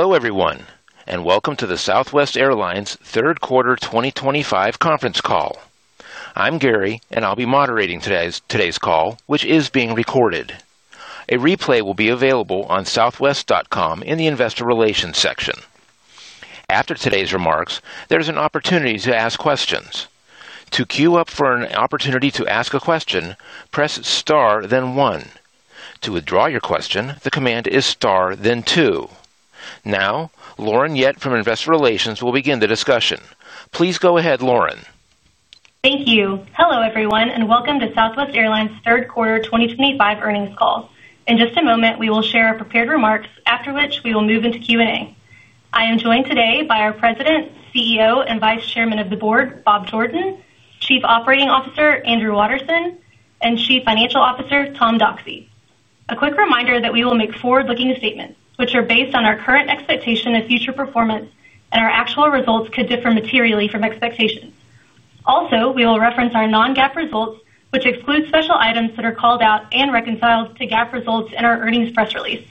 Hello everyone, and welcome to the Southwest Airlines Third Quarter 2025 conference call. I'm Gary, and I'll be moderating today's call, which is being recorded. A replay will be available on southwest.com in the investor relations section. After today's remarks, there's an opportunity to ask questions. To queue up for an opportunity to ask a question, press star, then one. To withdraw your question, the command is star, then two. Now, Lauren Yett from Investor Relations will begin the discussion. Please go ahead, Lauren. Thank you. Hello everyone, and welcome to Southwest Airlines' Third Quarter 2025 earnings call. In just a moment, we will share our prepared remarks, after which we will move into Q&A. I am joined today by our President, CEO, and Vice Chairman of the Board, Bob Jordan, Chief Operating Officer, Andrew Watterson, and Chief Financial Officer, Tom Doxey. A quick reminder that we will make forward-looking statements, which are based on our current expectation of future performance, and our actual results could differ materially from expectations. Also, we will reference our non-GAAP results, which exclude special items that are called out and reconciled to GAAP results in our earnings press release.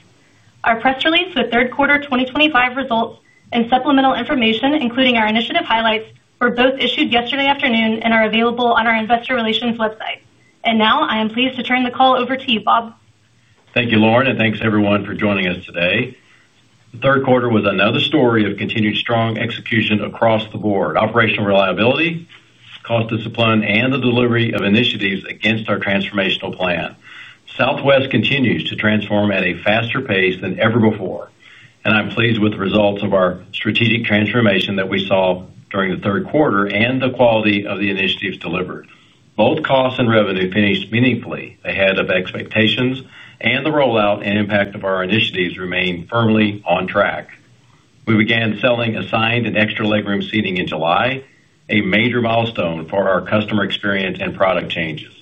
Our press release with third quarter 2025 results and supplemental information, including our initiative highlights, were both issued yesterday afternoon and are available on our investor relations website. I am pleased to turn the call over to you, Bob. Thank you, Lauren, and thanks everyone for joining us today. The third quarter was another story of continued strong execution across the board: operational reliability, cost discipline, and the delivery of initiatives against our transformational plan. Southwest Airlines continues to transform at a faster pace than ever before, and I'm pleased with the results of our strategic transformation that we saw during the third quarter and the quality of the initiatives delivered. Both costs and revenue finished meaningfully ahead of expectations, and the rollout and impact of our initiatives remain firmly on track. We began selling assigned and extra legroom seating in July, a major milestone for our customer experience and product changes.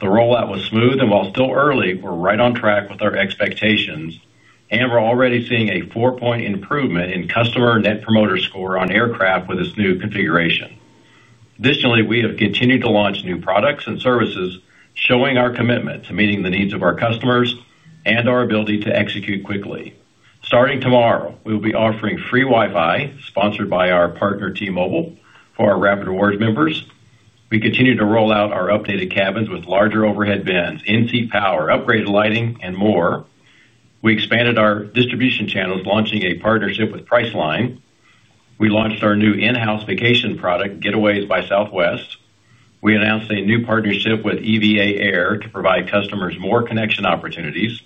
The rollout was smooth, and while still early, we're right on track with our expectations, and we're already seeing a 4% improvement in customer Net Promoter Score on aircraft with this new configuration. Additionally, we have continued to launch new products and services, showing our commitment to meeting the needs of our customers and our ability to execute quickly. Starting tomorrow, we will be offering free Wi-Fi, sponsored by our partner T-Mobile, for our Rapid Rewards members. We continue to roll out our updated cabins with larger overhead bins, in-seat power, upgraded lighting, and more. We expanded our distribution channels, launching a partnership with Priceline. We launched our new in-house vacation product, Getaways by Southwest. We announced a new partnership with EVA Air to provide customers more connection opportunities.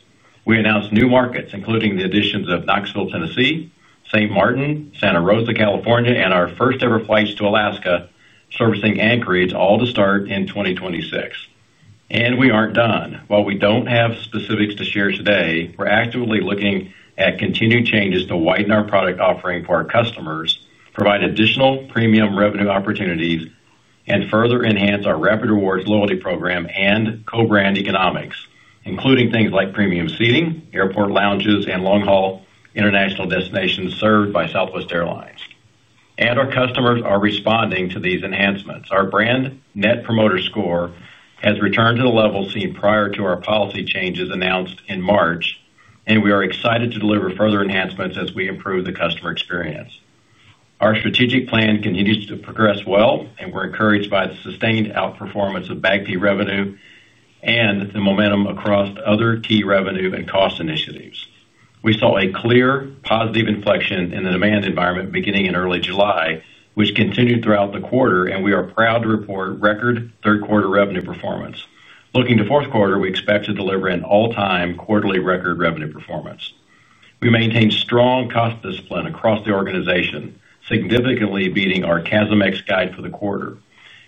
We announced new markets, including the additions of Knoxville, Tennessee, St. Martin, Santa Rosa, California, and our first-ever flights to Alaska, servicing Anchorage, all to start in 2026. We aren't done. While we don't have specifics to share today, we're actively looking at continued changes to widen our product offering for our customers, provide additional premium revenue opportunities, and further enhance our Rapid Rewards loyalty program and co-brand economics, including things like premium seating, airport lounges, and long-haul international destinations served by Southwest Airlines. Our customers are responding to these enhancements. Our brand Net Promoter Score has returned to the levels seen prior to our policy changes announced in March, and we are excited to deliver further enhancements as we improve the customer experience. Our strategic plan continues to progress well, and we're encouraged by the sustained outperformance of bag fee revenue and the momentum across other key revenue and cost initiatives. We saw a clear, positive inflection in the demand environment beginning in early July, which continued throughout the quarter, and we are proud to report record third-quarter revenue performance. Looking to the fourth quarter, we expect to deliver an all-time quarterly record revenue performance. We maintain strong cost discipline across the organization, significantly beating our CASM-X guide for the quarter.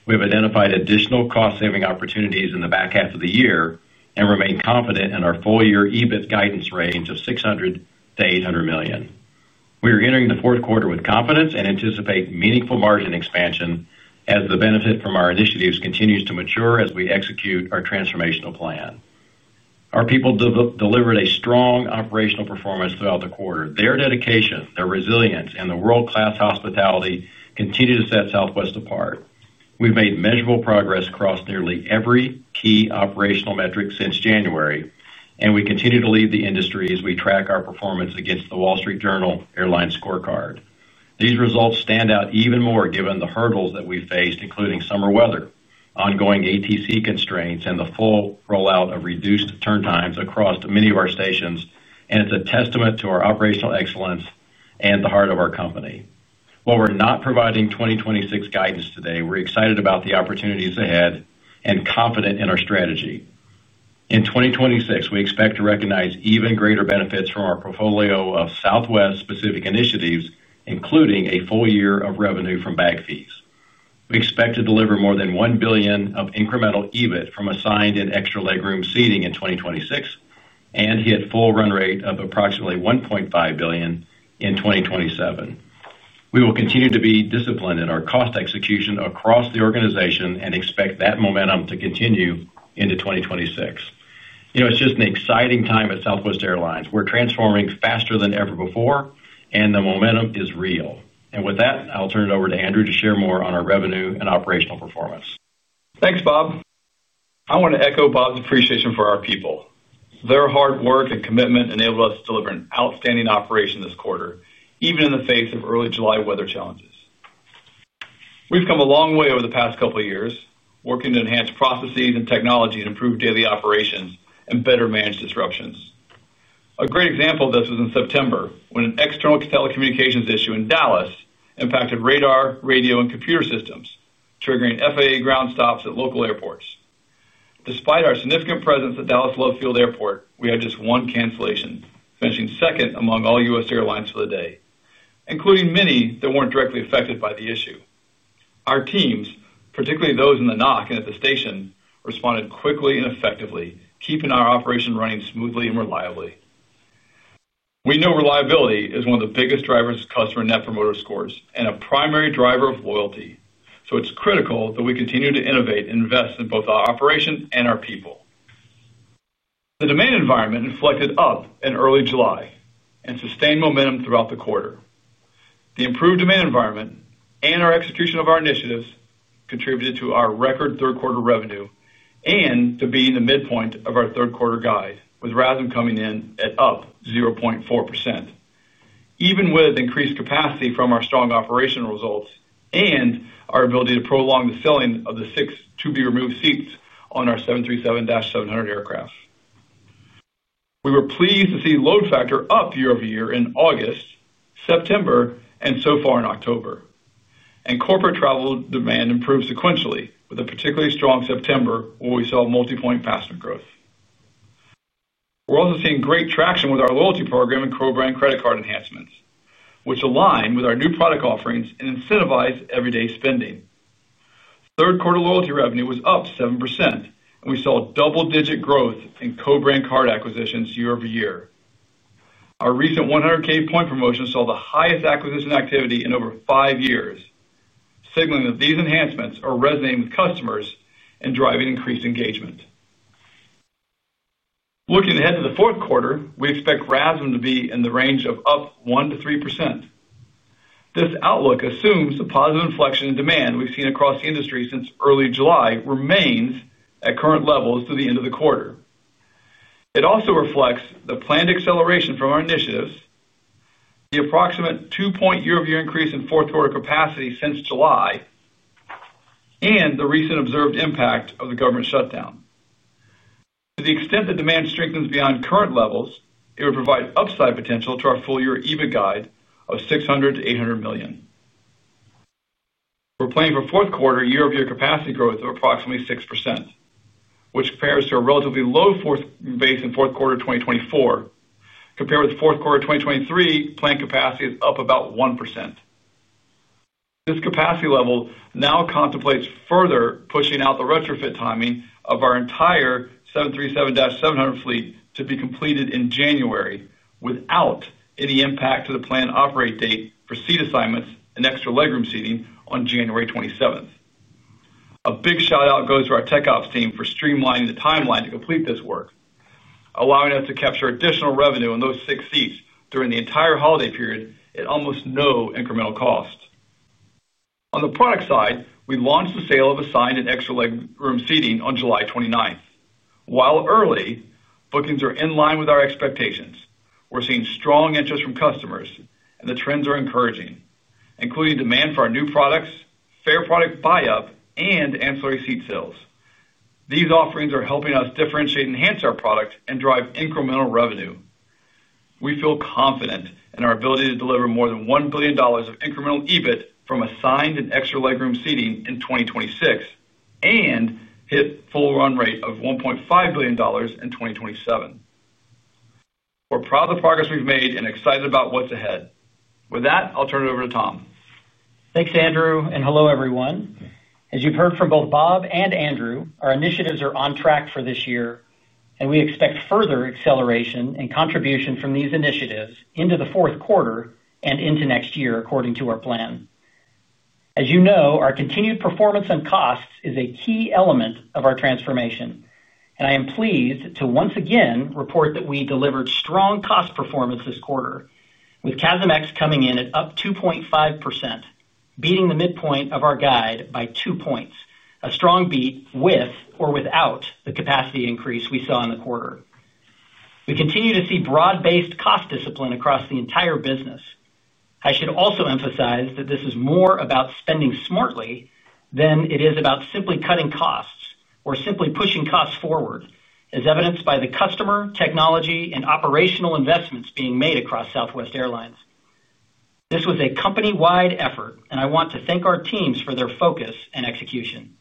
We have identified additional cost-saving opportunities in the back half of the year and remain confident in our full-year EBIT guidance range of $600 million - $800 million. We are entering the fourth quarter with confidence and anticipate meaningful margin expansion as the benefit from our initiatives continues to mature as we execute our transformational plan. Our people delivered a strong operational performance throughout the quarter. Their dedication, their resilience, and the world-class hospitality continue to set Southwest Airlines apart. We've made measurable progress across nearly every key operational metric since January, and we continue to lead the industry as we track our performance against the Wall Street Journal Airline Scorecard. These results stand out even more given the hurdles that we've faced, including summer weather, ongoing ATC constraints, and the full rollout of reduced turn times across many of our stations, and it's a testament to our operational excellence and the heart of our company. While we're not providing 2026 guidance today, we're excited about the opportunities ahead and confident in our strategy. In 2026, we expect to recognize even greater benefits from our portfolio of Southwest-specific initiatives, including a full year of revenue from bag fees. We expect to deliver more than $1 billion of incremental EBIT from assigned and extra legroom seating in 2026 and hit a full run rate of approximately $1.5 billion in 2027. We will continue to be disciplined in our cost execution across the organization and expect that momentum to continue into 2026. It's just an exciting time at Southwest Airlines. We're transforming faster than ever before, and the momentum is real. With that, I'll turn it over to Andrew to share more on our revenue and operational performance. Thanks, Bob. I want to echo Bob's appreciation for our people. Their hard work and commitment enabled us to deliver an outstanding operation this quarter, even in the face of early July weather challenges. We've come a long way over the past couple of years, working to enhance processes and technologies to improve daily operations and better manage disruptions. A great example of this was in September, when an external telecommunications issue in Dallas impacted radar, radio, and computer systems, triggering FAA ground stops at local airports. Despite our significant presence at Dallas Love Field Airport, we had just one cancellation, finishing second among all U.S. airlines for the day, including many that weren't directly affected by the issue. Our teams, particularly those in the NOC and at the station, responded quickly and effectively, keeping our operation running smoothly and reliably. We know reliability is one of the biggest drivers of customer Net Promoter Scores and a primary driver of loyalty, so it's critical that we continue to innovate and invest in both our operation and our people. The demand environment inflected up in early July and sustained momentum throughout the quarter. The improved demand environment and our execution of our initiatives contributed to our record third-quarter revenue and to be in the midpoint of our third-quarter guide, with RASM coming in at up 0.4%. Even with increased capacity from our strong operational results and our ability to prolong the filling of the six to-be-removed seats on our 737-700 aircraft, we were pleased to see load factor up year-over-year in August, September, and so far in October. Corporate travel demand improved sequentially, with a particularly strong September where we saw multi-point passenger growth. We're also seeing great traction with our loyalty program and co-brand credit card enhancements, which align with our new product offerings and incentivize everyday spending. Third-quarter loyalty revenue was up 7%, and we saw double-digit growth in co-brand card acquisitions year-over-year. Our recent 100K point promotion saw the highest acquisition activity in over five years, signaling that these enhancements are resonating with customers and driving increased engagement. Looking ahead to the fourth quarter, we expect RASM to be in the range of up 1% - 3%. This outlook assumes the positive inflection in demand we've seen across the industry since early July remains at current levels through the end of the quarter. It also reflects the planned acceleration from our initiatives, the approximate two-point year-over-year increase in fourth-quarter capacity since July, and the recent observed impact of the government shutdown. To the extent that demand strengthens beyond current levels, it would provide upside potential to our full-year EBIT guide of $600 million - $800 million. We're planning for fourth quarter year-over-year capacity growth of approximately 6%, which compares to a relatively low base in fourth quarter 2024. Compared with fourth quarter 2023, planned capacity is up about 1%. This capacity level now contemplates further pushing out the retrofit timing of our entire 737-700 fleet to be completed in January without any impact to the planned operate date for seat assignments and extra legroom seating on January 27th. A big shout-out goes to our Tech Ops team for streamlining the timeline to complete this work, allowing us to capture additional revenue on those six seats during the entire holiday period at almost no incremental cost. On the product side, we launched the sale of assigned and extra legroom seating on July 29th. While early, bookings are in line with our expectations. We're seeing strong interest from customers, and the trends are encouraging, including demand for our new products, fare product buy-up, and ancillary seat sales. These offerings are helping us differentiate and enhance our products and drive incremental revenue. We feel confident in our ability to deliver more than $1 billion of incremental EBIT from assigned and extra legroom seating in 2026 and hit a full run rate of $1.5 billion in 2027. We're proud of the progress we've made and excited about what's ahead. With that, I'll turn it over to Tom. Thanks, Andrew, and hello everyone. As you've heard from both Bob and Andrew, our initiatives are on track for this year, and we expect further acceleration and contribution from these initiatives into the fourth quarter and into next year, according to our plan. As you know, our continued performance on costs is a key element of our transformation, and I am pleased to once again report that we delivered strong cost performance this quarter, with CASM-X coming in at up 2.5%, beating the midpoint of our guide by two points, a strong beat with or without the capacity increase we saw in the quarter. We continue to see broad-based cost discipline across the entire business. I should also emphasize that this is more about spending smartly than it is about simply cutting costs or simply pushing costs forward, as evidenced by the customer, technology, and operational investments being made across Southwest Airlines. This was a company-wide effort, and I want to thank our teams for their focus and execution.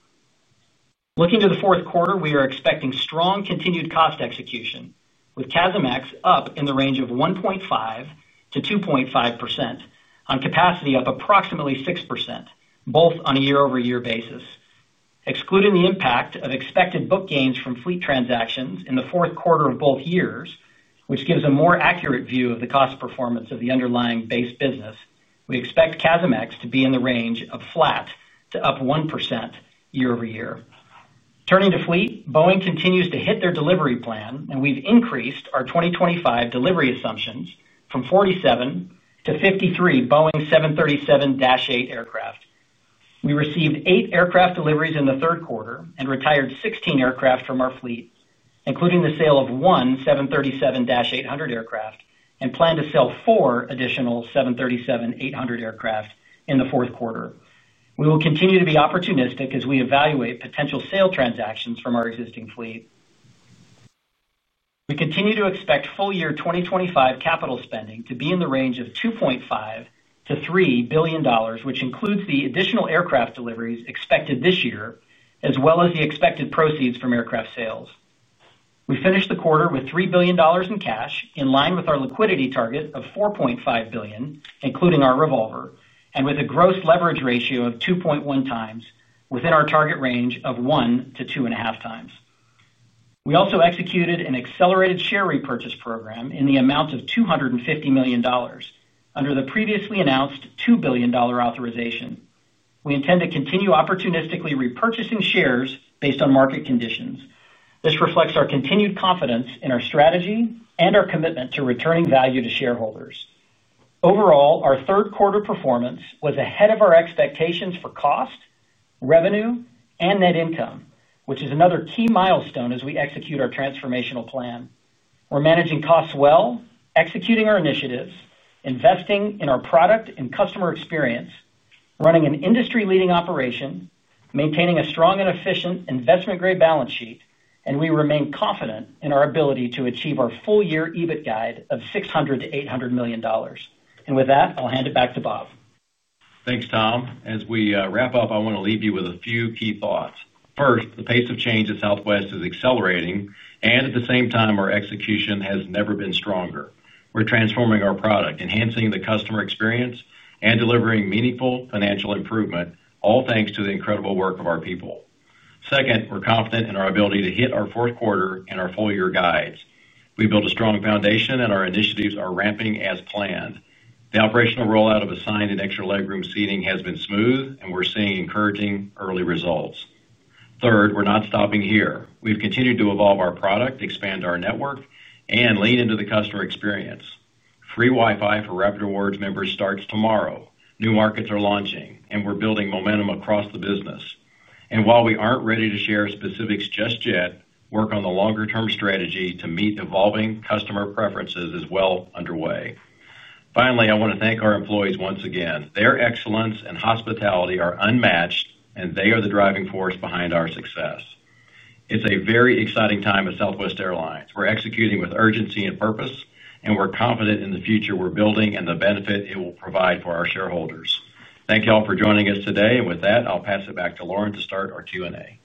Looking to the fourth quarter, we are expecting strong continued cost execution, with CASM-X up in the range of 1.5% - 2.5%, on capacity up approximately 6%, both on a year-over-year basis. Excluding the impact of expected book gains from fleet transactions in the fourth quarter of both years, which gives a more accurate view of the cost performance of the underlying base business, we expect CASM-X to be in the range of flat to up 1% year-over-year. Turning to fleet, Boeing continues to hit their delivery plan, and we've increased our 2025 delivery assumptions from 47 to 53 Boeing 737-8 aircraft. We received eight aircraft deliveries in the third quarter and retired 16 aircraft from our fleet, including the sale of one 737-800 aircraft and plan to sell four additional 737-800 aircraft in the fourth quarter. We will continue to be opportunistic as we evaluate potential sale transactions from our existing fleet. We continue to expect full-year 2025 capital spending to be in the range of $2.5 billion - $3 billion, which includes the additional aircraft deliveries expected this year, as well as the expected proceeds from aircraft sales. We finished the quarter with $3 billion in cash, in line with our liquidity target of $4.5 billion, including our revolver, and with a gross leverage ratio of 2.1x, within our target range of 1 to 2.5 times. We also executed an accelerated share repurchase program in the amount of $250 million under the previously announced $2 billion authorization. We intend to continue opportunistically repurchasing shares based on market conditions. This reflects our continued confidence in our strategy and our commitment to returning value to shareholders. Overall, our third-quarter performance was ahead of our expectations for cost, revenue, and net income, which is another key milestone as we execute our transformational plan. We are managing costs well, executing our initiatives, investing in our product and customer experience, running an industry-leading operation, maintaining a strong and efficient investment-grade balance sheet, and we remain confident in our ability to achieve our full-year EBIT guide of $600 million - $800 million. With that, I'll hand it back to Bob. Thanks, Tom. As we wrap up, I want to leave you with a few key thoughts. First, the pace of change at Southwest Airlines is accelerating, and at the same time, our execution has never been stronger. We're transforming our product, enhancing the customer experience, and delivering meaningful financial improvement, all thanks to the incredible work of our people. Second, we're confident in our ability to hit our fourth quarter and our full-year guides. We built a strong foundation, and our initiatives are ramping as planned. The operational rollout of assigned and extra legroom seating has been smooth, and we're seeing encouraging early results. Third, we're not stopping here. We've continued to evolve our product, expand our network, and lean into the customer experience. Free Wi-Fi for Rapid Rewards members starts tomorrow. New markets are launching, and we're building momentum across the business. While we aren't ready to share specifics just yet, work on the longer-term strategy to meet evolving customer preferences is well underway. Finally, I want to thank our employees once again. Their excellence and hospitality are unmatched, and they are the driving force behind our success. It's a very exciting time at Southwest Airlines. We're executing with urgency and purpose, and we're confident in the future we're building and the benefit it will provide for our shareholders. Thank you all for joining us today. With that, I'll pass it back to Lauren to start our Q&A.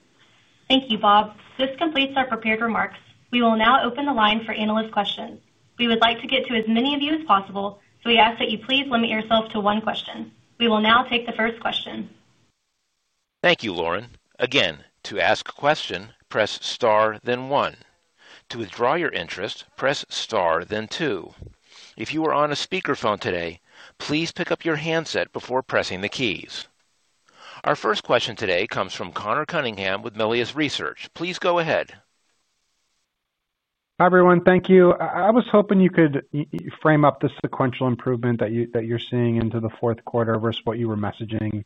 Thank you, Bob. This completes our prepared remarks. We will now open the line for analyst questions. We would like to get to as many of you as possible, so we ask that you please limit yourself to one question. We will now take the first question. Thank you, Lauren. Again, to ask a question, press star, then one. To withdraw your interest, press star, then two. If you are on a speakerphone today, please pick up your handset before pressing the keys. Our first question today comes from Conor Cunningham with Melius Research. Please go ahead. Hi, everyone. Thank you. I was hoping you could frame up the sequential improvement that you're seeing into the fourth quarter versus what you were messaging in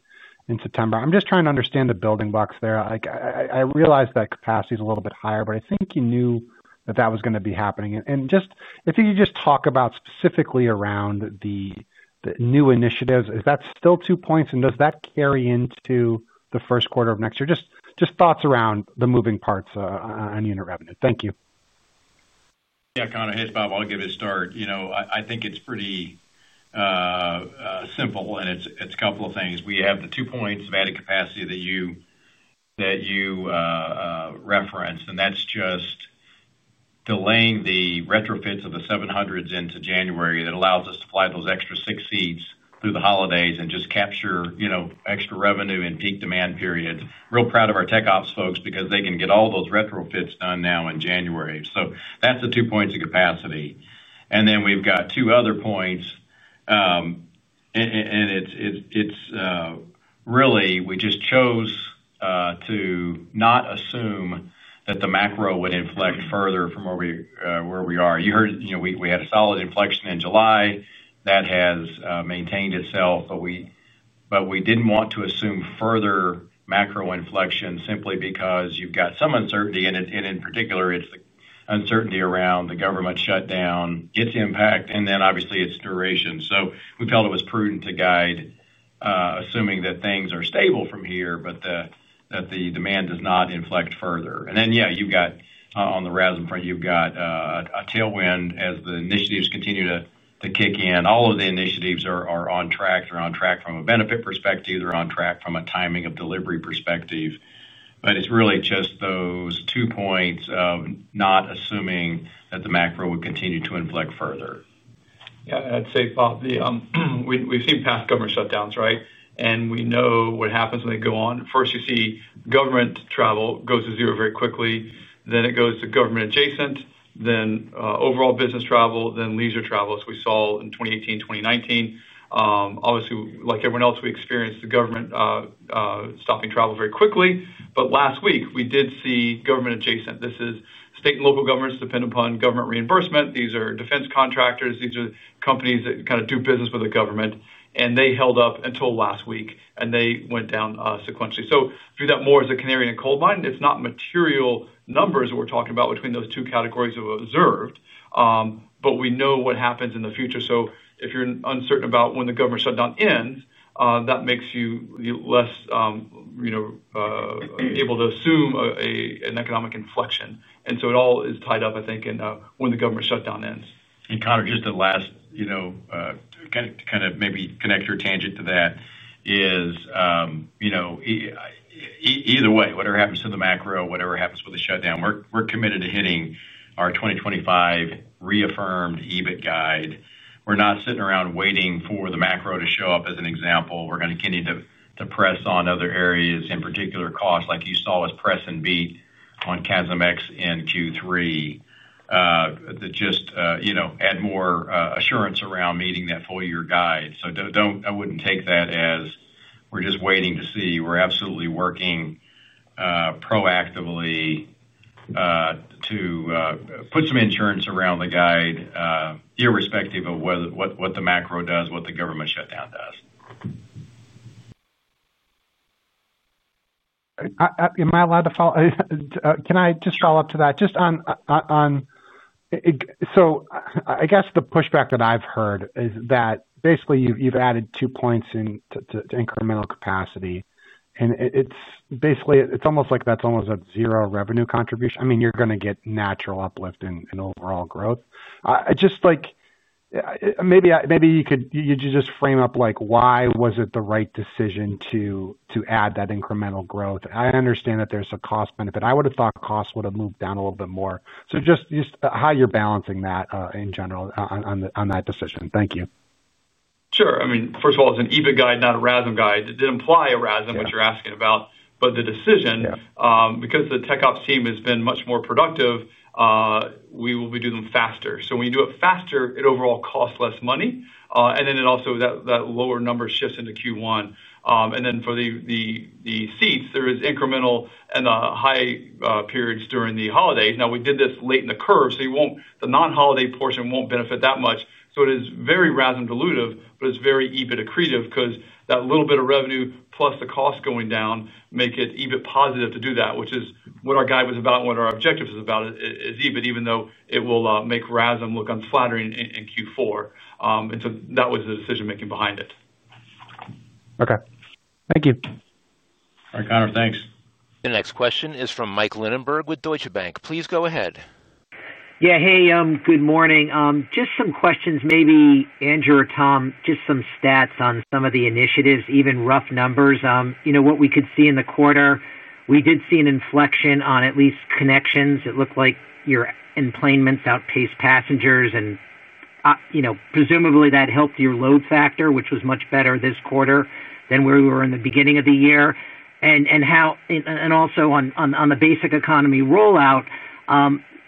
September. I'm just trying to understand the building blocks there. I realize that capacity is a little bit higher, but I think you knew that was going to be happening. If you could just talk about specifically around the new initiatives, is that still two points, and does that carry into the first quarter of next year? Thoughts around the moving parts on unit revenue. Thank you. Yeah, Conor. Hey, Bob, I'll give you a start. I think it's pretty simple, and it's a couple of things. We have the two points of added capacity that you referenced, and that's just delaying the retrofits of the 700s into January. That allows us to fly those extra six seats through the holidays and just capture extra revenue in peak demand periods. Real proud of our tech ops folks because they can get all those retrofits done now in January. That's the two points of capacity. We've got two other points, and it's really, we just chose to not assume that the macro would inflect further from where we are. You heard we had a solid inflection in July. That has maintained itself, but we didn't want to assume further macro inflection simply because you've got some uncertainty, and in particular, it's the uncertainty around the government shutdown, its impact, and obviously its duration. We felt it was prudent to guide, assuming that things are stable from here, but that the demand does not inflect further. On the RASM front, you've got a tailwind as the initiatives continue to kick in. All of the initiatives are on track. They're on track from a benefit perspective. They're on track from a timing of delivery perspective. It's really just those two points of not assuming that the macro would continue to inflect further. Yeah, and I'd say, Bob, we've seen past government shutdowns, right? We know what happens when they go on. First, you see government travel goes to zero very quickly. Next, it goes to government adjacent, then overall business travel, then leisure travel, as we saw in 2018 and 2019. Obviously, like everyone else, we experienced the government stopping travel very quickly. Last week, we did see government adjacent. This is state and local governments depending upon government reimbursement. These are defense contractors. These are companies that kind of do business with the government. They held up until last week, and they went down sequentially. View that more as a canary in a coal mine. It's not material numbers that we're talking about between those two categories of observed, but we know what happens in the future. If you're uncertain about when the government shutdown ends, that makes you less able to assume an economic inflection. It all is tied up, I think, in when the government shutdown ends. Conor, just to last, you know, kind of maybe connect your tangent to that is, you know, either way, whatever happens to the macro, whatever happens with the shutdown, we're committed to hitting our 2025 reaffirmed EBIT guide. We're not sitting around waiting for the macro to show up as an example. We're going to continue to press on other areas, in particular cost, like you saw us press and beat on CASM-X in Q3 to just, you know, add more assurance around meeting that full-year guide. I wouldn't take that as we're just waiting to see. We're absolutely working proactively to put some insurance around the guide, irrespective of what the macro does, what the government shutdown does. Am I allowed to follow? Can I just follow up to that? Just on, I guess the pushback that I've heard is that basically you've added two points to incremental capacity, and it's basically, it's almost like that's almost a zero revenue contribution. I mean, you're going to get natural uplift in overall growth. Maybe you could just frame up why was it the right decision to add that incremental growth. I understand that there's a cost benefit. I would have thought cost would have moved down a little bit more. Just how you're balancing that in general on that decision. Thank you. Sure. First of all, it's an EBIT guide, not a RASM guide. It did imply a RASM, what you're asking about. The decision, because the tech ops team has been much more productive, we will be doing them faster. When you do it faster, it overall costs less money. It also, that lower number shifts into Q1. For the seats, there is incremental in the high periods during the holidays. We did this late in the curve, so you won't, the non-holiday portion won't benefit that much. It is very RASM dilutive, but it's very EBIT accretive because that little bit of revenue plus the cost going down make it EBIT positive to do that, which is what our guide was about and what our objective is about, is EBIT, even though it will make RASM look unflattering in Q4. That was the decision-making behind it. Okay, thank you. All right, Conor, thanks. The next question is from Mike Linenberg with Deutsche Bank. Please go ahead. Yeah, hey, good morning. Just some questions, maybe Andrew or Tom, just some stats on some of the initiatives, even rough numbers. You know, what we could see in the quarter, we did see an inflection on at least connections. It looked like your entertainment outpaced passengers, and you know, presumably that helped your load factor, which was much better this quarter than where we were in the beginning of the year. Also, on the basic economy rollout,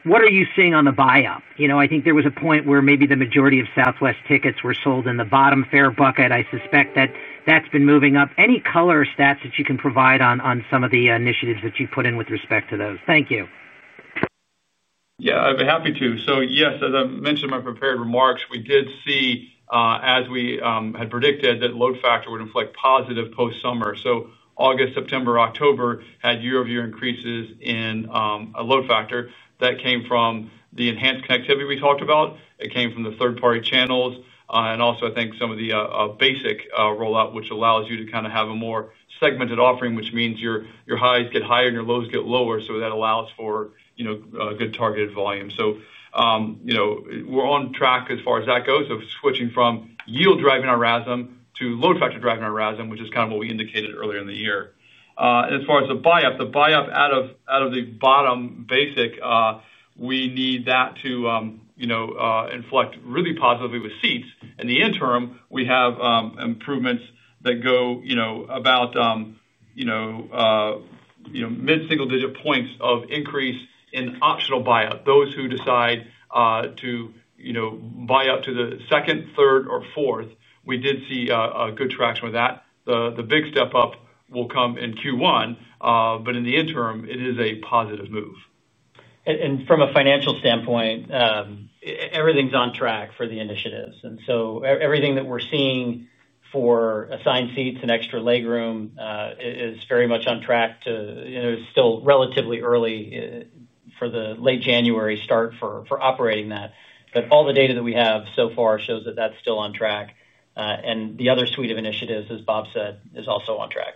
what are you seeing on the buy-up? You know, I think there was a point where maybe the majority of Southwest tickets were sold in the bottom fare bucket. I suspect that that's been moving up. Any color stats that you can provide on some of the initiatives that you put in with respect to those? Thank you. Yeah, I'd be happy to. Yes, as I mentioned in my prepared remarks, we did see, as we had predicted, that load factor would inflect positive post-summer. August, September, and October had year-over-year increases in load factor. That came from the enhanced connectivity we talked about. It came from the third-party channels, and also I think some of the basic rollout, which allows you to have a more segmented offering, which means your highs get higher and your lows get lower. That allows for good targeted volume. We're on track as far as that goes of switching from yield driving our RASM to load factor driving our RASM, which is what we indicated earlier in the year. As far as the buy-up, the buy-up out of the bottom basic, we need that to inflect really positively with seats. In the interim, we have improvements that go about mid-single-digit points of increase in optional buy-up. Those who decide to buy up to the second, third, or fourth, we did see good traction with that. The big step up will come in Q1, but in the interim, it is a positive move. From a financial standpoint, everything's on track for the initiatives. Everything that we're seeing for assigned seats and extra legroom is very much on track. It's still relatively early for the late January start for operating that, but all the data that we have so far shows that that's still on track. The other suite of initiatives, as Bob said, is also on track.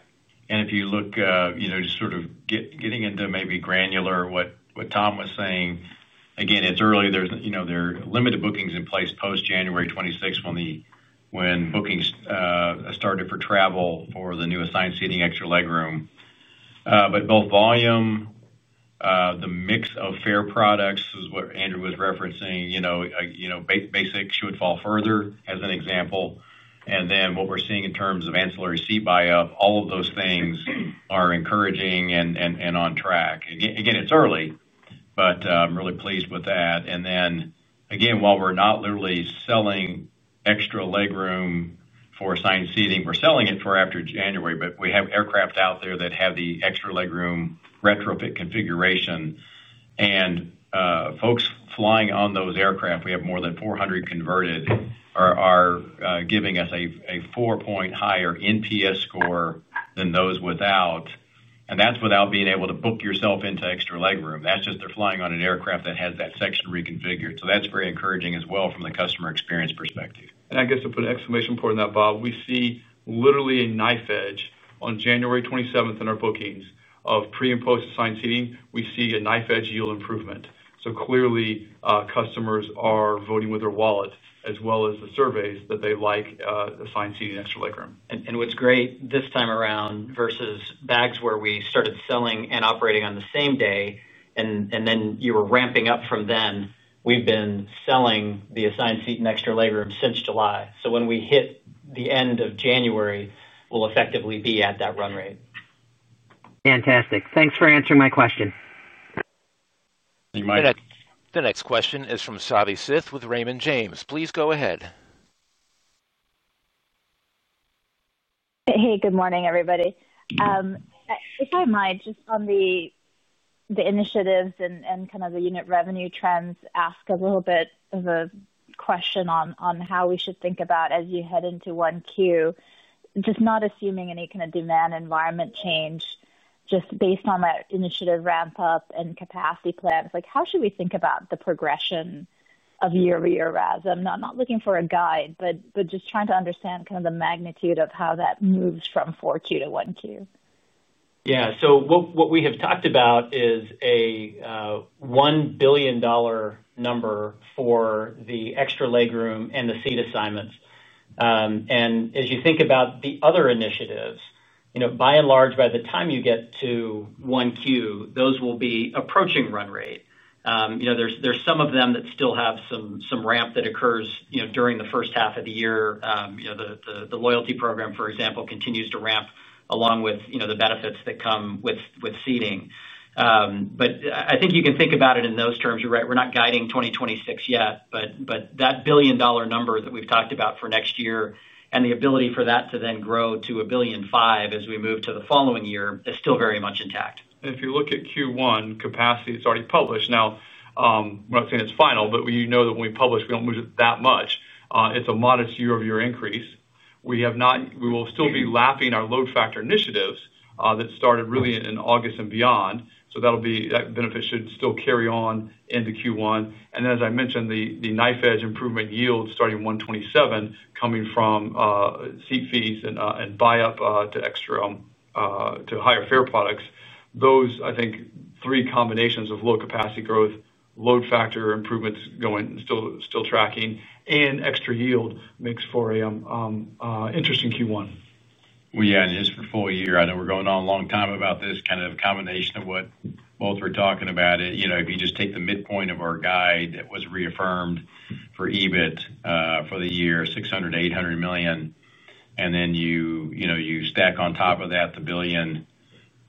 If you look, just sort of getting into maybe granular what Tom was saying, it's early. There are limited bookings in place post-January 26 when the bookings started for travel for the new assigned seating, extra legroom. Both volume and the mix of fare products is what Andrew was referencing. Basic should fall further as an example. What we're seeing in terms of ancillary seat buy-up, all of those things are encouraging and on track. It's early, but I'm really pleased with that. While we're not literally selling extra legroom for assigned seating, we're selling it for after January, but we have aircraft out there that have the extra legroom retrofit configuration. Folks flying on those aircraft, we have more than 400 converted, are giving us a four-point higher Net Promoter Score than those without. That's without being able to book yourself into extra legroom. They're flying on an aircraft that has that section reconfigured. That's very encouraging as well from the customer experience perspective. To put an exclamation point on that, Bob, we see literally a knife edge on January 27 in our bookings of pre-imposed assigned seating. We see a knife-edge yield improvement. Clearly, customers are voting with their wallet as well as the surveys that they like assigned seating, extra legroom. What is great this time around versus bags, where we started selling and operating on the same day and then you were ramping up from then, is we've been selling the assigned seat and extra legroom since July. When we hit the end of January, we'll effectively be at that run rate. Fantastic. Thanks for answering my question. The next question is from Savi Syth with Raymond James. Please go ahead. Hey, good morning, everybody. If I might, just on the initiatives and kind of the unit revenue trends, ask a little bit of a question on how we should think about, as you head into 1Q, just not assuming any kind of demand environment change, just based on that initiative ramp-up and capacity plans. How should we think about the progression of year-over-year RASM? Not looking for a guide, just trying to understand kind of the magnitude of how that moves from 4Q to 1Q. Yeah, so what we have talked about is a $1 billion number for the extra legroom and the seat assignments. As you think about the other initiatives, by and large, by the time you get to 1Q, those will be approaching run rate. There are some of them that still have some ramp that occurs during the first half of the year. The loyalty program, for example, continues to ramp along with the benefits that come with seating. I think you can think about it in those terms. You're right, we're not guiding 2026 yet, but that $1 billion number that we've talked about for next year and the ability for that to then grow to $1.5 billion as we move to the following year is still very much intact. If you look at Q1, capacity is already published. We're not saying it's final, but we know that when we publish, we don't move it that much. It's a modest year-over-year increase. We have not, we will still be lapping our load factor initiatives that started really in August and beyond. That benefit should still carry on into Q1. As I mentioned, the knife-edge improvement yield starting 127, coming from seat fees and buy-up to extra, to higher fare products. Those, I think, three combinations of low capacity growth, load factor improvements going and still tracking, and extra yield makes for an interesting Q1. For the full year, I know we're going on a long time about this kind of combination of what both we're talking about. If you just take the midpoint of our guide that was reaffirmed for EBIT for the year, $600 million - $800 million, and then you stack on top of that the $1 billion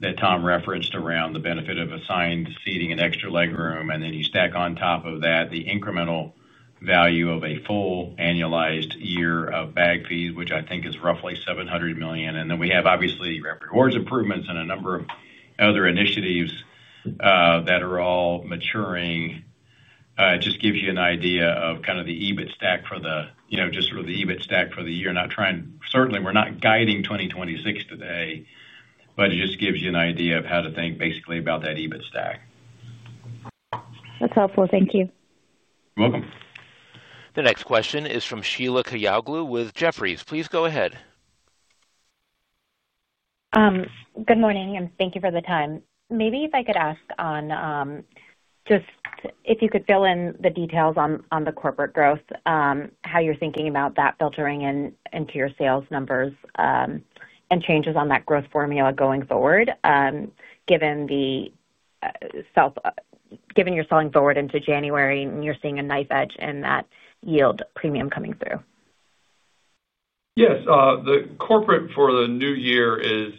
that Tom referenced around the benefit of assigned seating and extra legroom, and then you stack on top of that the incremental value of a full annualized year of bag fees, which I think is roughly $700 million, and then we have obviously rewards improvements and a number of other initiatives that are all maturing. It just gives you an idea of the EBIT stack for the year. Certainly, we're not guiding 2026 today, but it just gives you an idea of how to think basically about that EBIT stack. That's helpful. Thank you. You're welcome. The next question is from Sheila Kahyaoglu with Jefferies. Please go ahead. Good morning, and thank you for the time. Maybe if I could ask on just if you could fill in the details on the corporate growth, how you're thinking about that filtering into your sales numbers and changes on that growth formula going forward, given you're selling forward into January and you're seeing a knife-edge in that yield premium coming through. Yes, the corporate for the new year is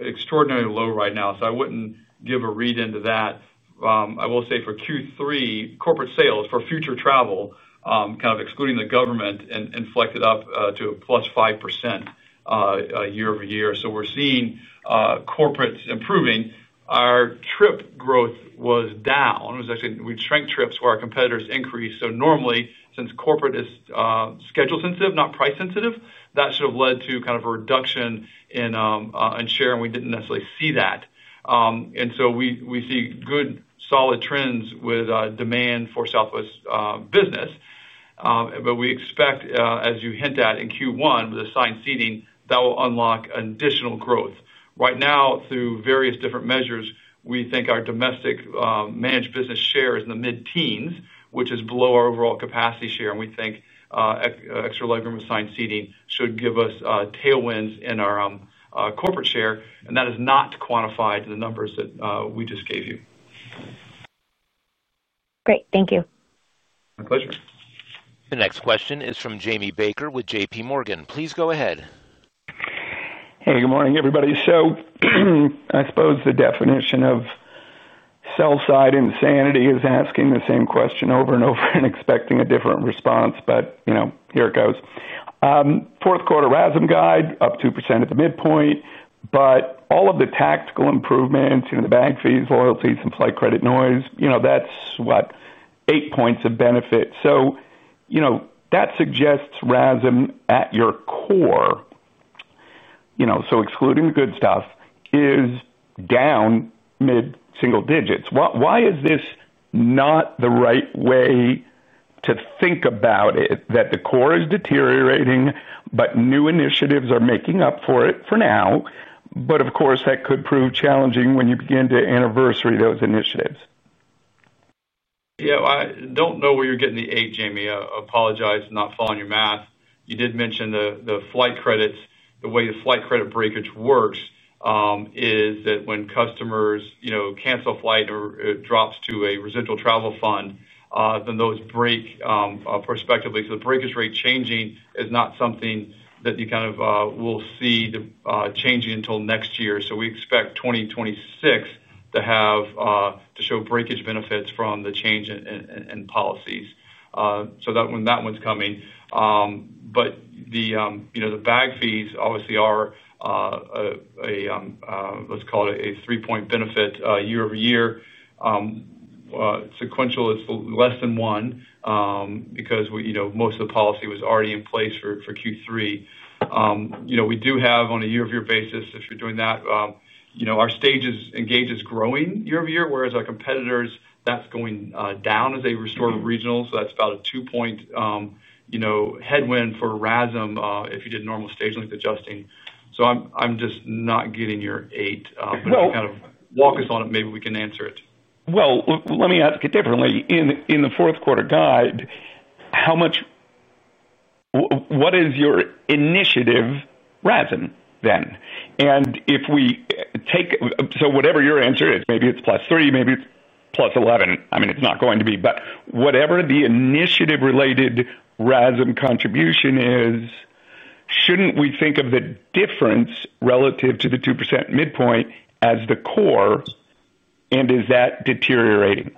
extraordinarily low right now, so I wouldn't give a read into that. I will say for Q3, corporate sales for future travel, kind of excluding the government, inflected up to a plus 5% year-over-year. We're seeing corporates improving. Our trip growth was down. It was actually, we shrank trips where our competitors increased. Normally, since corporate is schedule-sensitive, not price-sensitive, that should have led to kind of a reduction in share, and we didn't necessarily see that. We see good, solid trends with demand for Southwest business. We expect, as you hint at, in Q1 with assigned seating, that will unlock additional growth. Right now, through various different measures, we think our domestic managed business share is in the mid-teens, which is below our overall capacity share, and we think extra legroom assigned seating should give us tailwinds in our corporate share, and that is not quantified to the numbers that we just gave you. Great. Thank you. My pleasure. The next question is from Jamie Baker with JPMorgan. Please go ahead. Hey, good morning, everybody. I suppose the definition of sell-side insanity is asking the same question over and over and expecting a different response, but here it goes. Fourth quarter RASM guide, up 2% at the midpoint, but all of the tactical improvements, the bag fees, loyalty, some slight credit noise, that's what, eight points of benefit. That suggests RASM at your core, excluding the good stuff, is down mid-single digits. Why is this not the right way to think about it, that the core is deteriorating, but new initiatives are making up for it for now? Of course, that could prove challenging when you begin to anniversary those initiatives. Yeah, I don't know where you're getting the eight, Jamie. I apologize, not following your math. You did mention the flight credits. The way the flight credit breakage works is that when customers cancel a flight and it drops to a residual travel fund, then those break prospectively. The breakage rate changing is not something that you will see changing until next year. We expect 2026 to have to show breakage benefits from the change in policies. That one's coming. The bag fees obviously are a, let's call it a three-point benefit year-over-year. Sequential is less than one because most of the policy was already in place for Q3. We do have on a year-over-year basis, if you're doing that, our stages engage is growing year-over-year, whereas our competitors, that's going down as they restore to regional. That's about a two-point headwind for RASM if you did normal stage length adjusting. I'm just not getting your eight. If you walk us on it, maybe we can answer it. Let me ask it differently. In the fourth quarter guide, how much, what is your initiative RASM then? If we take, so whatever your answer is, maybe it's +3%, maybe it's +11%. I mean, it's not going to be, but whatever the initiative-related RASM contribution is, shouldn't we think of the difference relative to the 2% midpoint as the core? Is that deteriorating?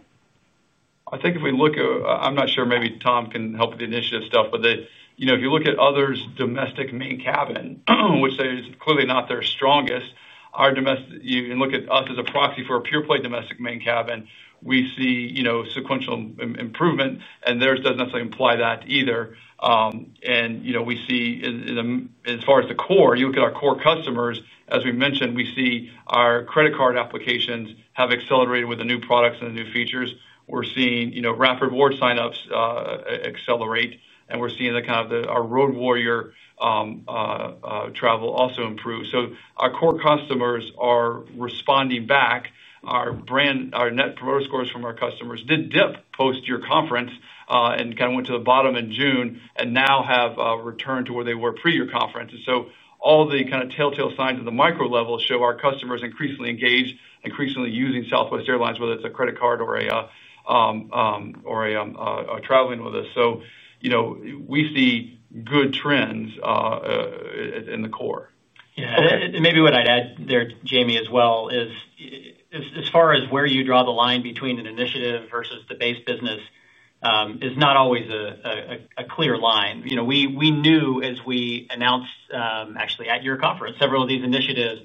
I think if we look at, I'm not sure, maybe Tom can help with the initiative stuff, but if you look at others' domestic main cabin, which is clearly not their strongest, our domestic, you can look at us as a proxy for a pure play domestic main cabin. We see sequential improvement, and theirs doesn't necessarily imply that either. As far as the core, you look at our core customers, as we mentioned, we see our credit card applications have accelerated with the new products and the new features. We're seeing Rapid Rewards signups accelerate, and we're seeing the kind of our road warrior travel also improve. Our core customers are responding back. Our brand, our Net Promoter Scores from our customers did dip post-year conference and kind of went to the bottom in June and now have returned to where they were pre-year conference. All the kind of telltale signs of the micro level show our customers increasingly engaged, increasingly using Southwest Airlines, whether it's a credit card or traveling with us. We see good trends in the core. Yeah, maybe what I'd add there, Jamie, as well, is as far as where you draw the line between an initiative versus the base business, it's not always a clear line. We knew as we announced, actually at your conference, several of these initiatives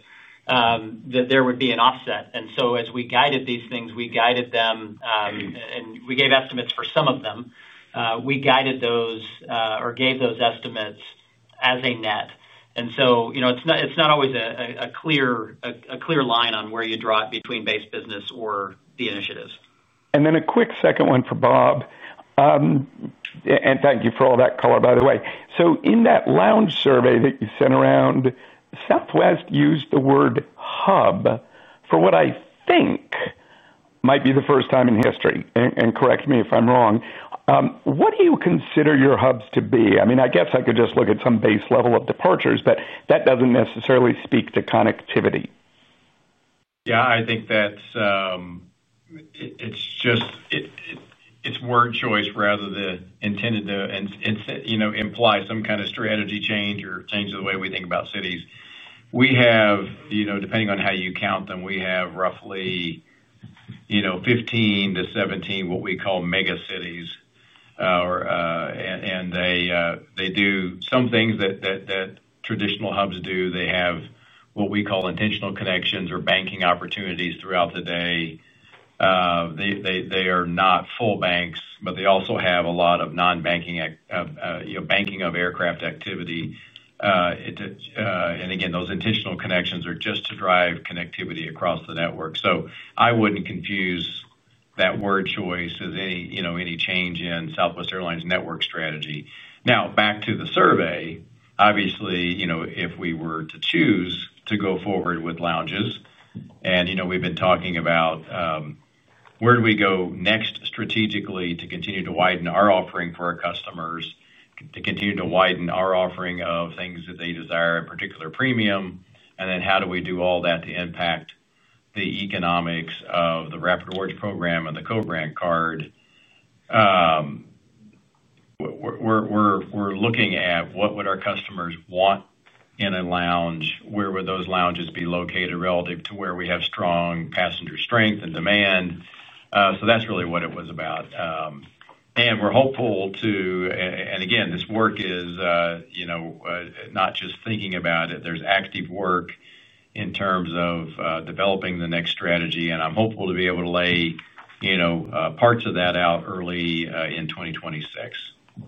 that there would be an offset. As we guided these things, we guided them, and we gave estimates for some of them. We guided those or gave those estimates as a net. It's not always a clear line on where you draw it between base business or the initiatives. A quick second one for Bob. Thank you for all that color, by the way. In that lounge survey that you sent around, Southwest used the word hub for what I think might be the first time in history, and correct me if I'm wrong. What do you consider your hubs to be? I guess I could just look at some base level of departures, but that doesn't necessarily speak to connectivity. I think that's just word choice rather than intended to imply some kind of strategy change or change the way we think about cities. We have, depending on how you count them, roughly 15 to 17 what we call mega cities. They do some things that traditional hubs do. They have what we call intentional connections or banking opportunities throughout the day. They are not full banks, but they also have a lot of non-banking, banking of aircraft activity. Those intentional connections are just to drive connectivity across the network. I wouldn't confuse that word choice as any change in Southwest Airlines' network strategy. Now, back to the survey, obviously, if we were to choose to go forward with lounges, and we've been talking about where do we go next strategically to continue to widen our offering for our customers, to continue to widen our offering of things that they desire at a particular premium, and then how do we do all that to impact the economics of the Rapid Rewards program and the co-brand card. We're looking at what would our customers want in a lounge, where would those lounges be located relative to where we have strong passenger strength and demand. That's really what it was about. We're hopeful to, and this work is not just thinking about it. There's active work in terms of developing the next strategy, and I'm hopeful to be able to lay parts of that out early in 2026.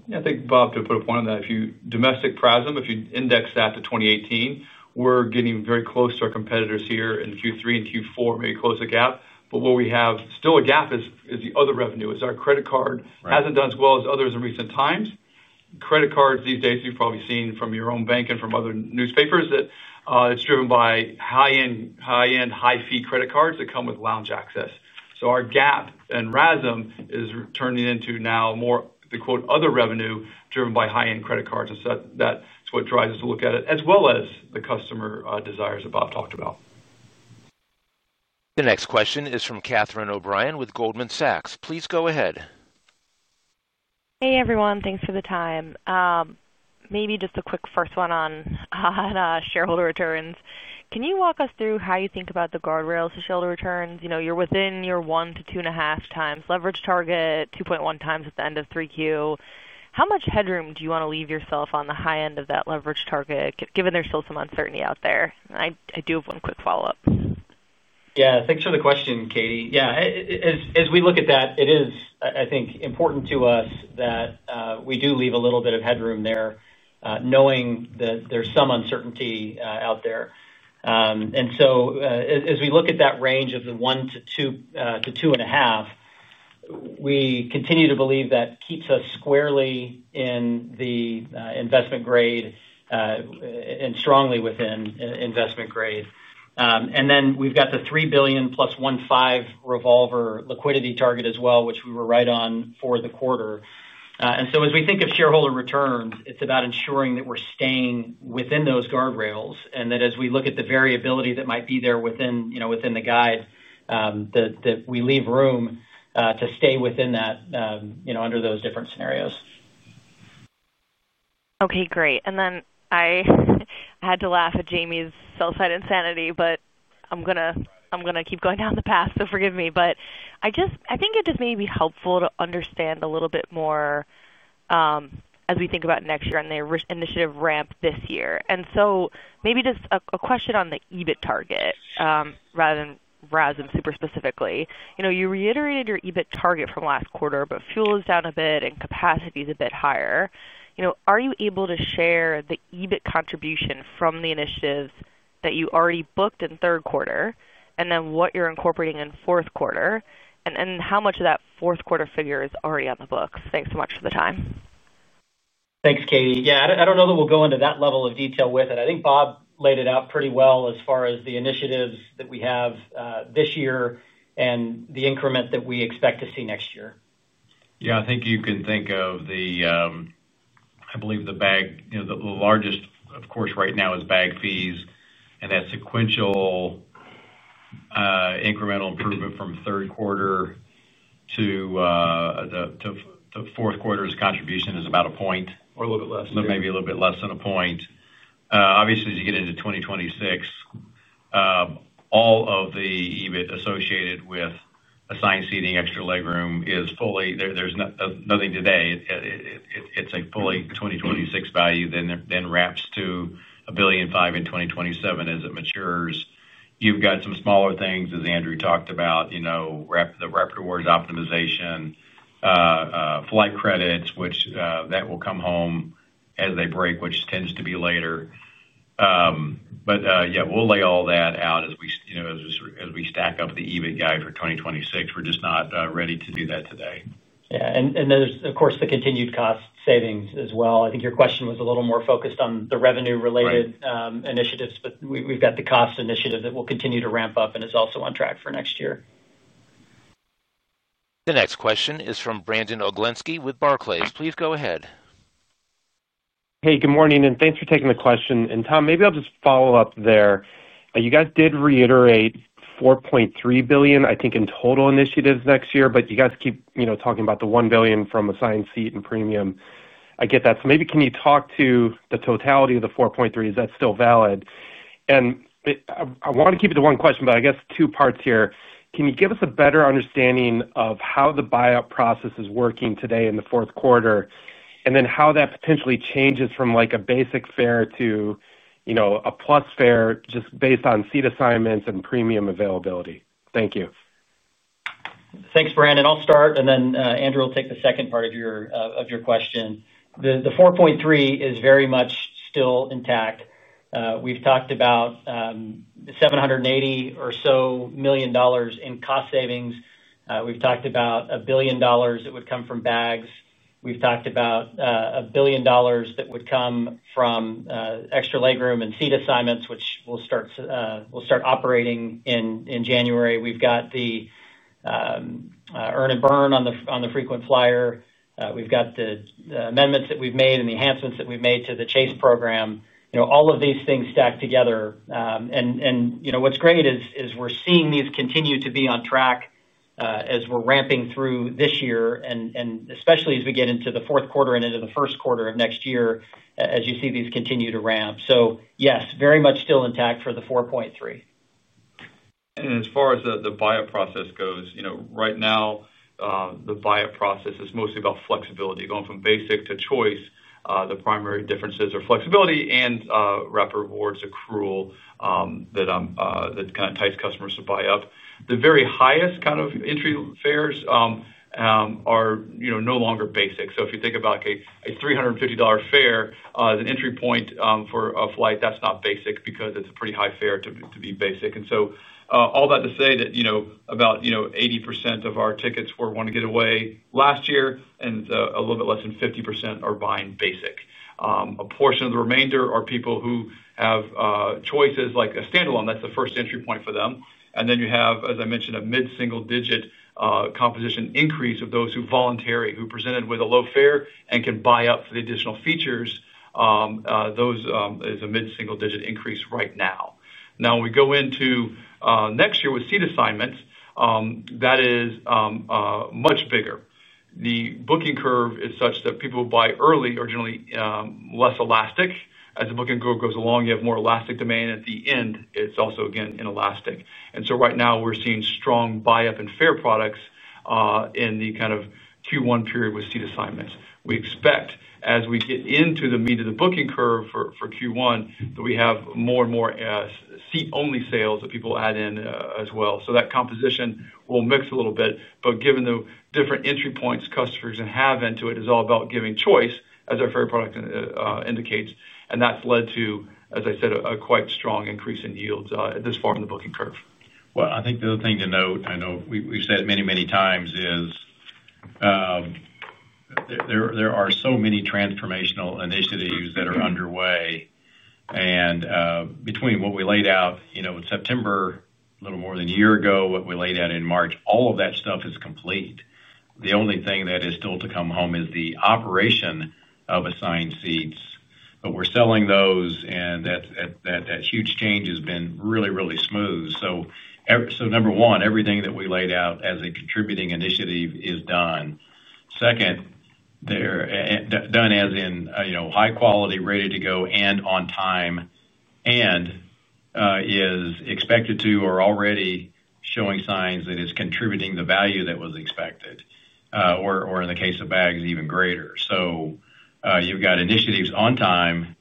Yeah, I think, Bob, to put a point on that, if you domestic prism, if you index that to 2018, we're getting very close to our competitors here in Q3 and Q4, maybe close the gap. Where we have still a gap is the other revenue. Our credit card hasn't done as well as others in recent times. Credit cards these days, you've probably seen from your own bank and from other newspapers that it's driven by high-end, high-fee credit cards that come with lounge access. Our gap in RASM is turning into now more the quote "other revenue" driven by high-end credit cards. That's what drives us to look at it, as well as the customer desires that Bob talked about. The next question is from Catherine O'Brien with Goldman Sachs. Please go ahead. Hey everyone, thanks for the time. Maybe just a quick first one on shareholder returns. Can you walk us through how you think about the guardrails of shareholder returns? You know, you're within your one to two and a half times leverage target, 2.1 times at the end of 3Q. How much headroom do you want to leave yourself on the high end of that leverage target, given there's still some uncertainty out there? I do have one quick follow-up. Yeah, thanks for the question, Katie. As we look at that, it is, I think, important to us that we do leave a little bit of headroom there, knowing that there's some uncertainty out there. As we look at that range of the one to two to two and a half, we continue to believe that keeps us squarely in the investment grade and strongly within investment grade. We've got the $3 billion plus $1.5 billion revolver liquidity target as well, which we were right on for the quarter. As we think of shareholder returns, it's about ensuring that we're staying within those guardrails and that as we look at the variability that might be there within the guide, we leave room to stay within that under those different scenarios. Okay, great. I had to laugh at Jamie's sell-side insanity, but I'm going to keep going down the path, so forgive me. I think it just may be helpful to understand a little bit more as we think about next year and the initiative ramp this year. Maybe just a question on the EBIT target, rather than RASM super specifically. You reiterated your EBIT target from last quarter, but fuel is down a bit and capacity is a bit higher. Are you able to share the EBIT contribution from the initiatives that you already booked in third quarter and then what you're incorporating in fourth quarter? How much of that fourth quarter figure is already on the books? Thanks so much for the time. Thanks, Katie. I don't know that we'll go into that level of detail with it. I think Bob laid it out pretty well as far as the initiatives that we have this year and the increment that we expect to see next year. Yeah, I think you can think of the, I believe the bag, you know, the largest, of course, right now is bag fees. That sequential incremental improvement from third quarter to fourth quarter's contribution is about a point. A little bit less. Maybe a little bit less than a point. Obviously, as you get into 2026, all of the EBIT associated with assigned seating, extra legroom is fully, there's nothing today. It's a fully 2026 value that then wraps to $1.5 billion in 2027 as it matures. You've got some smaller things, as Andrew talked about, you know, the Rapid Rewards optimization, flight credits, which that will come home as they break, which tends to be later. We'll lay all that out as we, you know, as we stack up the EBIT guide for 2026. We're just not ready to do that today. Yeah, and then there's, of course, the continued cost savings as well. I think your question was a little more focused on the revenue-related initiatives, but we've got the cost initiative that will continue to ramp up and is also on track for next year. The next question is from Brandon Oglenski with Barclays. Please go ahead. Hey, good morning, and thanks for taking the question. Tom, maybe I'll just follow up there. You guys did reiterate $4.3 billion, I think, in total initiatives next year, but you guys keep talking about the $1 billion from assigned seat and premium. I get that. Maybe can you talk to the totality of the $4.3 billion? Is that still valid? I want to keep it to one question, but I guess two parts here. Can you give us a better understanding of how the buy-up process is working today in the fourth quarter, and then how that potentially changes from like a basic fare to a plus fare just based on seat assignments and premium availability? Thank you. Thanks, Brandon. I'll start, and then Andrew will take the second part of your question. The $4.3 billion is very much still intact. We've talked about $780 million or so in cost savings. We've talked about $1 billion that would come from bag fees. We've talked about $1 billion that would come from extra legroom and seat assignments, which we'll start operating in January. We've got the earn and burn on the frequent flyer. We've got the amendments that we've made and the enhancements that we've made to the Chase agreement. All of these things stack together. What's great is we're seeing these continue to be on track as we're ramping through this year, especially as we get into the fourth quarter and into the first quarter of next year, as you see these continue to ramp. Yes, very much still intact for the $4.3 billion. As far as the buy-up process goes, right now, the buy-up process is mostly about flexibility. Going from basic to choice, the primary differences are flexibility and Rapid Rewards accrual that kind of entice customers to buy up. The very highest kind of entry fares are no longer basic. If you think about a $350 fare as an entry point for a flight, that's not basic because it's a pretty high fare to be basic. All that to say that about 80% of our tickets were one getaway last year, and a little bit less than 50% are buying basic. A portion of the remainder are people who have choices like a standalone. That's the first entry point for them. Then you have, as I mentioned, a mid-single-digit composition increase of those who voluntarily, who are presented with a low fare and can buy up for the additional features. That is a mid-single-digit increase right now. When we go into next year with seat assignments, that is much bigger. The booking curve is such that people who buy early are generally less elastic. As the booking goes along, you have more elastic demand. At the end, it's also, again, inelastic. Right now, we're seeing strong buy-up and fare products in the kind of Q1 period with seat assignments. We expect, as we get into the meat of the booking curve for Q1, that we have more and more seat-only sales that people add in as well. That composition will mix a little bit. Given the different entry points customers have into it, it is all about giving choice, as our fare product indicates. That has led to, as I said, a quite strong increase in yields this far in the booking curve. I think the other thing to note, I know we've said many, many times, is there are so many transformational initiatives that are underway. Between what we laid out in September, a little more than a year ago, and what we laid out in March, all of that stuff is complete. The only thing that is still to come home is the operation of assigned seats. We're selling those, and that huge change has been really, really smooth. Number one, everything that we laid out as a contributing initiative is done. Second, done as in high quality, ready to go, and on time, and is expected to, or already showing signs that it's contributing the value that was expected, or in the case of bags, even greater. You've got initiatives on time.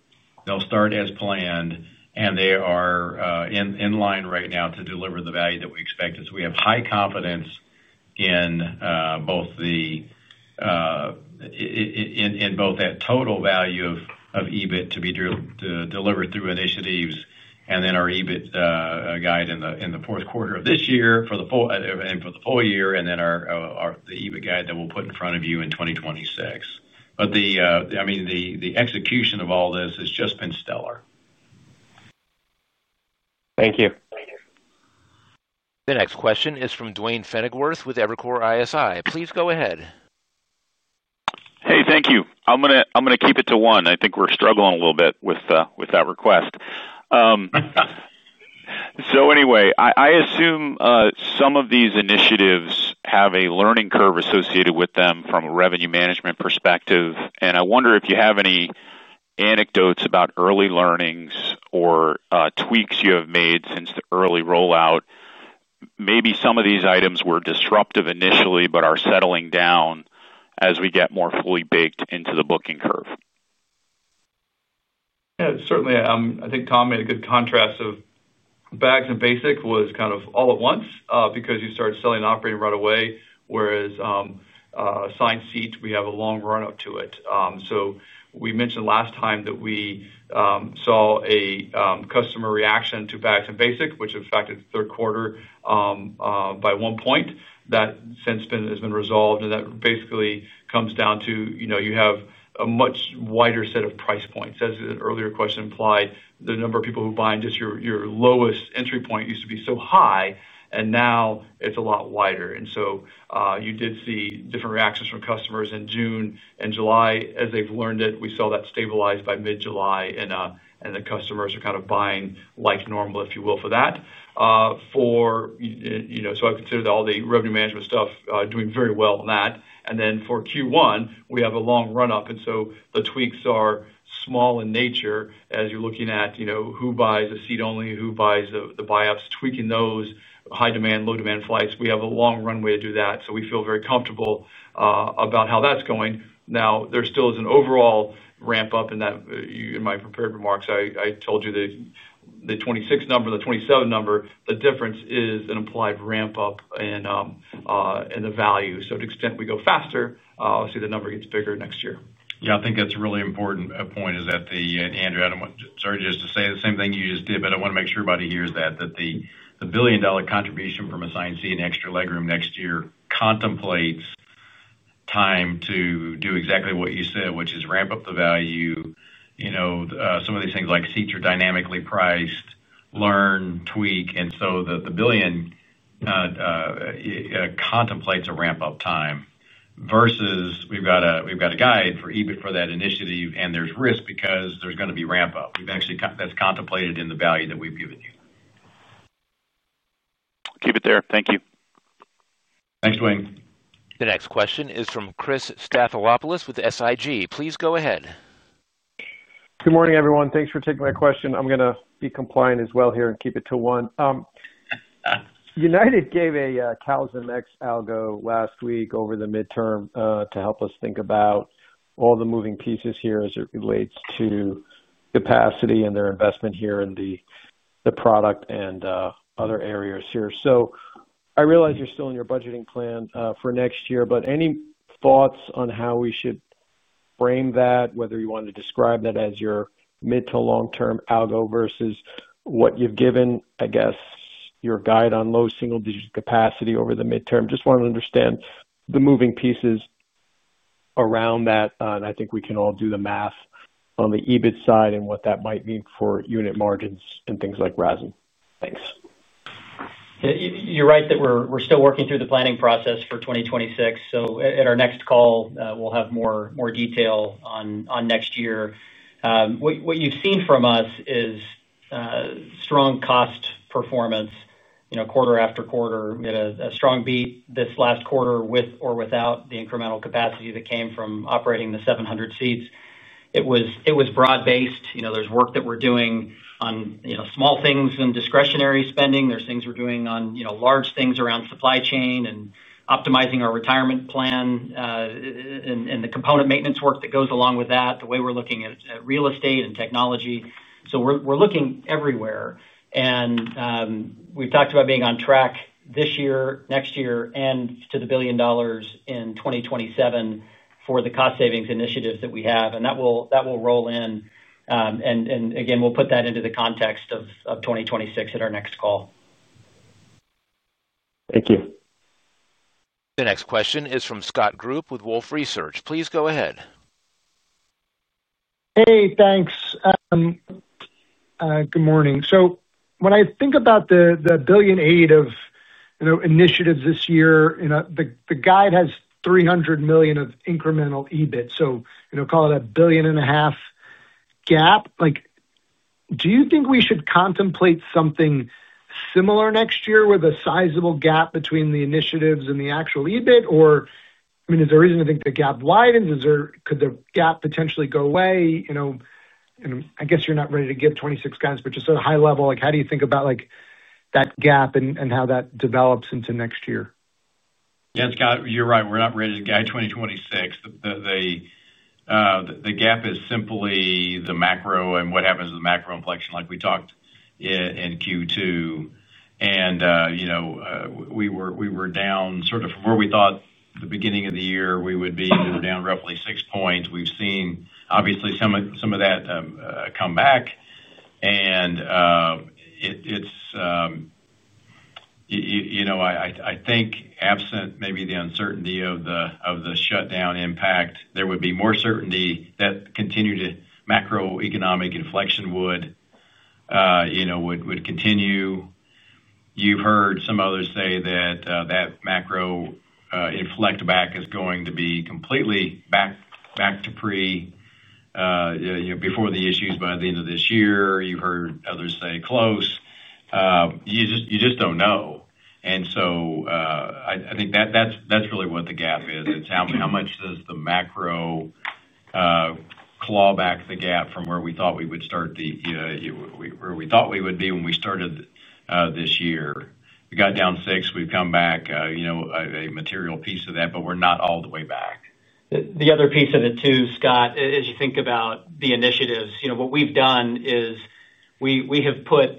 They'll start as planned, and they are in line right now to deliver the value that we expected. We have high confidence in both the total value of EBIT to be delivered through initiatives, and then our EBIT guide in the fourth quarter of this year for the full year, and then the EBIT guide that we'll put in front of you in 2026. The execution of all this has just been stellar. Thank you. The next question is from Duane Pfennigwerth with Evercore ISI. Please go ahead. Thank you. I'm going to keep it to one. I think we're struggling a little bit with that request. I assume some of these initiatives have a learning curve associated with them from a revenue management perspective. I wonder if you have any anecdotes about early learnings or tweaks you have made since the early rollout. Maybe some of these items were disruptive initially, but are settling down as we get more fully baked into the booking curve. Yeah, certainly. I think Tom made a good contrast of bags and basic was kind of all at once because you started selling and operating right away, whereas assigned seats, we have a long run-up to it. We mentioned last time that we saw a customer reaction to bags and basic, which affected the third quarter by 1%. That since has been resolved, and that basically comes down to, you know, you have a much wider set of price points. As an earlier question implied, the number of people who buy in just your lowest entry point used to be so high, and now it's a lot wider. You did see different reactions from customers in June and July. As they've learned it, we saw that stabilize by mid-July, and the customers are kind of buying like normal, if you will, for that. I consider that all the revenue management stuff doing very well on that. For Q1, we have a long run-up, and the tweaks are small in nature. As you're looking at, you know, who buys a seat only, who buys the buy-ups, tweaking those, high demand, low demand flights, we have a long runway to do that. We feel very comfortable about how that's going. There still is an overall ramp-up in that. In my prepared remarks, I told you the 26 number and the 27 number, the difference is an implied ramp-up in the value. To the extent we go faster, obviously the number gets bigger next year. Yeah, I think that's a really important point. Andrew, I don't want, sorry, just to say the same thing you just did, but I want to make sure everybody hears that the $1 billion contribution from assigned seat and extra legroom next year contemplates time to do exactly what you said, which is ramp up the value. You know, some of these things like seats are dynamically priced, learn, tweak, and so the $1 billion contemplates a ramp-up time versus we've got a guide for EBIT for that initiative, and there's risk because there's going to be ramp-up. That's actually contemplated in the value that we've given you. Keep it there. Thank you. Thanks, Duane. The next question is from Chris Stathoulopoulos with SIG. Please go ahead. Good morning, everyone. Thanks for taking my question. I'm going to be compliant as well here and keep it to one. United gave a CASM-X algo last week over the midterm to help us think about all the moving pieces here as it relates to capacity and their investment here in the product and other areas here. I realize you're still in your budgeting plan for next year, but any thoughts on how we should frame that, whether you want to describe that as your mid to long-term algo versus what you've given, I guess, your guide on low single-digit capacity over the midterm? I just want to understand the moving pieces around that, and I think we can all do the math on the EBIT side and what that might mean for unit margins and things like RASM. Thanks. Yeah, you're right that we're still working through the planning process for 2026. At our next call, we'll have more detail on next year. What you've seen from us is strong cost performance, quarter after quarter. We had a strong beat this last quarter with or without the incremental capacity that came from operating the 700 seats. It was broad-based. There's work that we're doing on small things and discretionary spending. There's things we're doing on large things around supply chain and optimizing our retirement plan and the component maintenance work that goes along with that, the way we're looking at real estate and technology. We're looking everywhere. We've talked about being on track this year, next year, and to the $1 billion in 2027 for the cost savings initiatives that we have. That will roll in. Again, we'll put that into the context of 2026 at our next call. Thank you. The next question is from Scott Group with Wolfe Research. Please go ahead. Hey, thanks. Good morning. When I think about the billion aid of initiatives this year, the guide has $300 million of incremental EBIT. Call it a $1.5 billion gap. Do you think we should contemplate something similar next year with a sizable gap between the initiatives and the actual EBIT? Is there a reason to think the gap widens? Could the gap potentially go away? I guess you're not ready to give 2026 guidance, but just at a high level, how do you think about that gap and how that develops into next year? Yeah, Scott, you're right. We're not ready to guide 2026. The gap is simply the macro and what happens to the macro inflection, like we talked in Q2. We were down sort of from where we thought the beginning of the year we would be. We were down roughly six points. We've seen, obviously, some of that come back. I think absent maybe the uncertainty of the shutdown impact, there would be more certainty that continued macroeconomic inflection would continue. You've heard some others say that that macro inflect back is going to be completely back to pre, you know, before the issues by the end of this year. You've heard others say close. You just don't know. I think that's really what the gap is. It's how much does the macro claw back the gap from where we thought we would start the, where we thought we would be when we started this year. We got down six. We've come back, you know, a material piece of that, but we're not all the way back. The other piece of it too, Scott, as you think about the initiatives, what we've done is we have put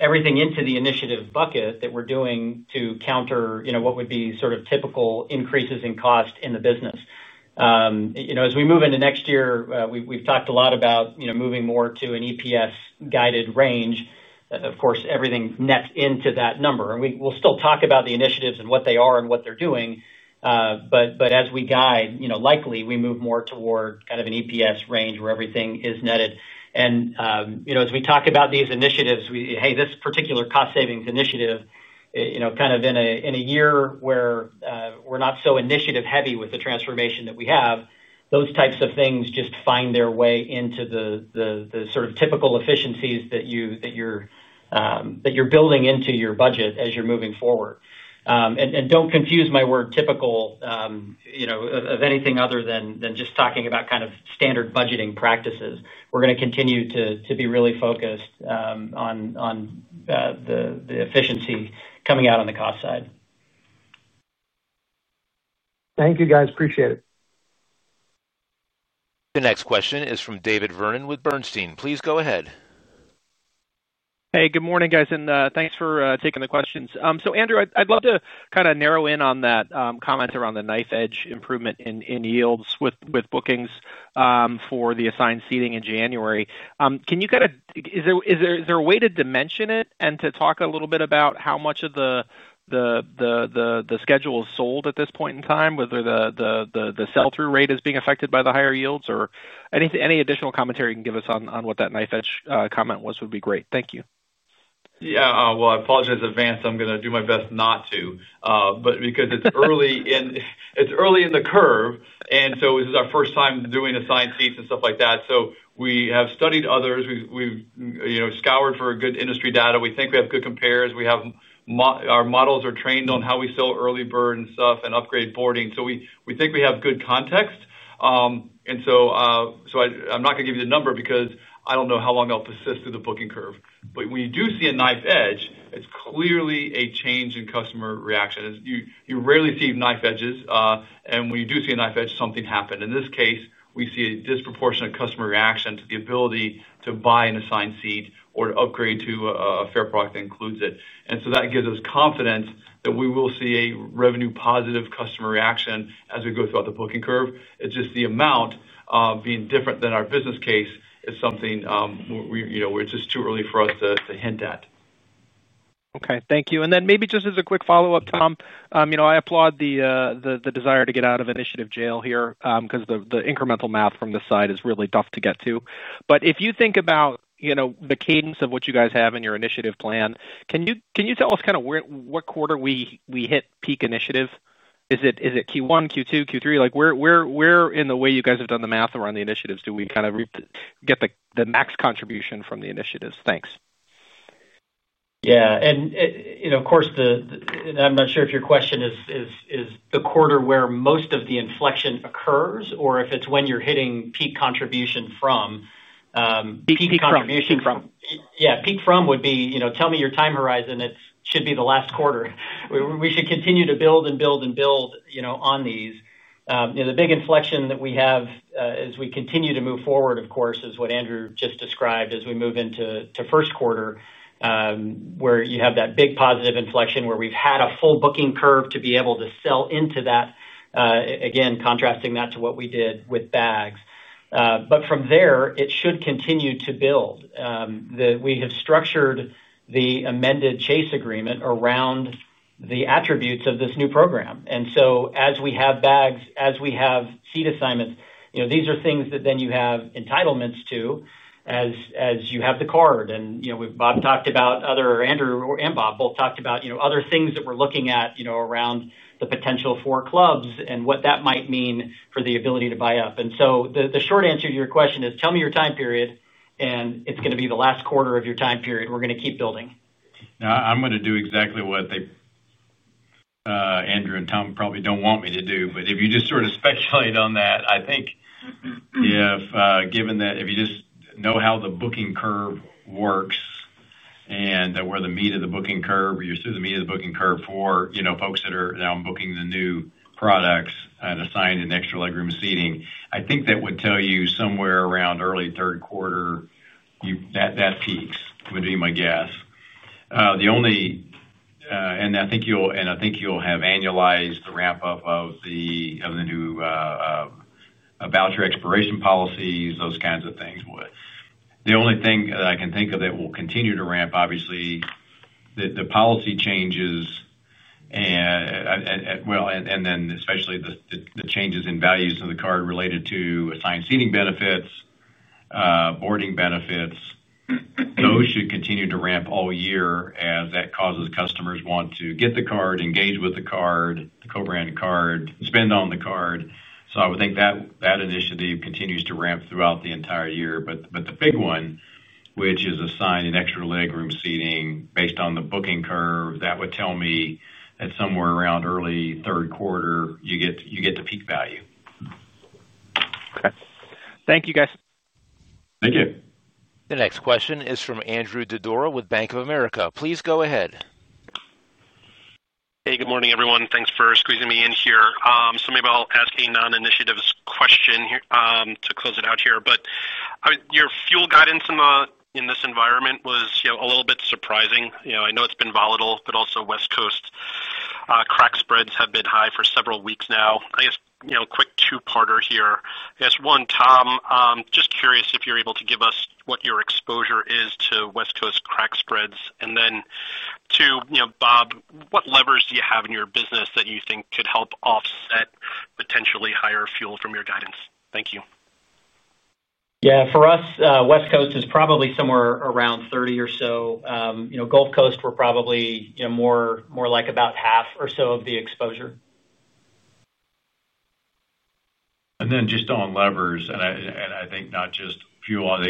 everything into the initiative bucket that we're doing to counter what would be sort of typical increases in cost in the business. As we move into next year, we've talked a lot about moving more to an EPS-guided range. Of course, everything nets into that number. We'll still talk about the initiatives and what they are and what they're doing. As we guide, likely we move more toward kind of an EPS range where everything is netted. As we talk about these initiatives, hey, this particular cost savings initiative, kind of in a year where we're not so initiative heavy with the transformation that we have, those types of things just find their way into the sort of typical efficiencies that you're building into your budget as you're moving forward. Don't confuse my word typical, of anything other than just talking about kind of standard budgeting practices. We're going to continue to be really focused on the efficiency coming out on the cost side. Thank you, guys. Appreciate it. The next question is from David Vernon with Bernstein. Please go ahead. Hey, good morning, guys, and thanks for taking the questions. Andrew, I'd love to kind of narrow in on that comment around the knife-edge improvement in yields with bookings for the assigned seating in January. Can you, is there a way to dimension it and to talk a little bit about how much of the schedule is sold at this point in time, whether the sell-through rate is being affected by the higher yields, or any additional commentary you can give us on what that knife-edge comment was would be great. Thank you. I apologize in advance. I'm going to do my best not to. Because it's early in the curve, this is our first time doing assigned seats and stuff like that. We have studied others. We've scoured for good industry data. We think we have good compares. Our models are trained on how we sell early bird stuff and upgrade boarding, so we think we have good context. I'm not going to give you the number because I don't know how long they'll persist through the booking curve. When you do see a knife-edge, it's clearly a change in customer reaction. You rarely see knife-edges, and when you do see a knife-edge, something happened. In this case, we see a disproportionate customer reaction to the ability to buy an assigned seat or to upgrade to a fare product that includes it. That gives us confidence that we will see a revenue-positive customer reaction as we go throughout the booking curve. It's just the amount being different than our business case is something where it's just too early for us to hint at. Thank you. Maybe just as a quick follow-up, Tom, I applaud the desire to get out of initiative jail here because the incremental math from this side is really tough to get to. If you think about the cadence of what you guys have in your initiative plan, can you tell us kind of what quarter we hit peak initiative? Is it Q1, Q2, Q3? Where in the way you guys have done the math around the initiatives do we get the max contribution from the initiatives? Thanks. Yeah, you know, of course, I'm not sure if your question is the quarter where most of the inflection occurs or if it's when you're hitting peak contribution from. Peak contribution from. Yeah, peak from would be, you know, tell me your time horizon. It should be the last quarter. We should continue to build and build and build on these. The big inflection that we have as we continue to move forward, of course, is what Andrew just described as we move into first quarter, where you have that big positive inflection where we've had a full booking curve to be able to sell into that. Again, contrasting that to what we did with bags. From there, it should continue to build. We have structured the amended Chase agreement around the attributes of this new program. As we have bags, as we have seat assignments, these are things that then you have entitlements to as you have the card. Bob talked about other, Andrew and Bob both talked about other things that we're looking at around the potential for clubs and what that might mean for the ability to buy up. The short answer to your question is tell me your time period, and it's going to be the last quarter of your time period. We're going to keep building. Now, I'm going to do exactly what Andrew and Tom probably don't want me to do. If you just sort of speculate on that, I think if given that if you just know how the booking curve works and where the meat of the booking curve is, you're through the meat of the booking curve for, you know, folks that are now booking the new products and assigned an extra legroom seating, I think that would tell you somewhere around early third quarter, that peaks would be my guess. I think you'll have annualized the ramp-up of the new voucher expiration policies, those kinds of things. The only thing that I can think of that will continue to ramp, obviously, is the policy changes, and then especially the changes in values of the card related to assigned seating benefits, boarding benefits. Those should continue to ramp all year as that causes customers to want to get the card, engage with the card, the co-brand card, spend on the card. I would think that initiative continues to ramp throughout the entire year. The big one, which is assigned an extra legroom seating based on the booking curve, that would tell me that somewhere around early third quarter, you get the peak value. Okay, thank you, guys. Thank you. The next question is from Andrew Didora with Bank of America. Please go ahead. Hey, good morning, everyone. Thanks for squeezing me in here. Maybe I'll ask a non-initiatives question here to close it out. Your fuel guidance in this environment was, you know, a little bit surprising. I know it's been volatile, but also West Coast crack spreads have been high for several weeks now. I guess, a quick two-parter here. One, Tom, just curious if you're able to give us what your exposure is to West Coast crack spreads. Then two, Bob, what levers do you have in your business that you think could help offset potentially higher fuel from your guidance? Thank you. Yeah, for us, West Coast is probably somewhere around 30 or so. Gulf Coast, we're probably more like about half or so of the exposure. On levers, not just fuel,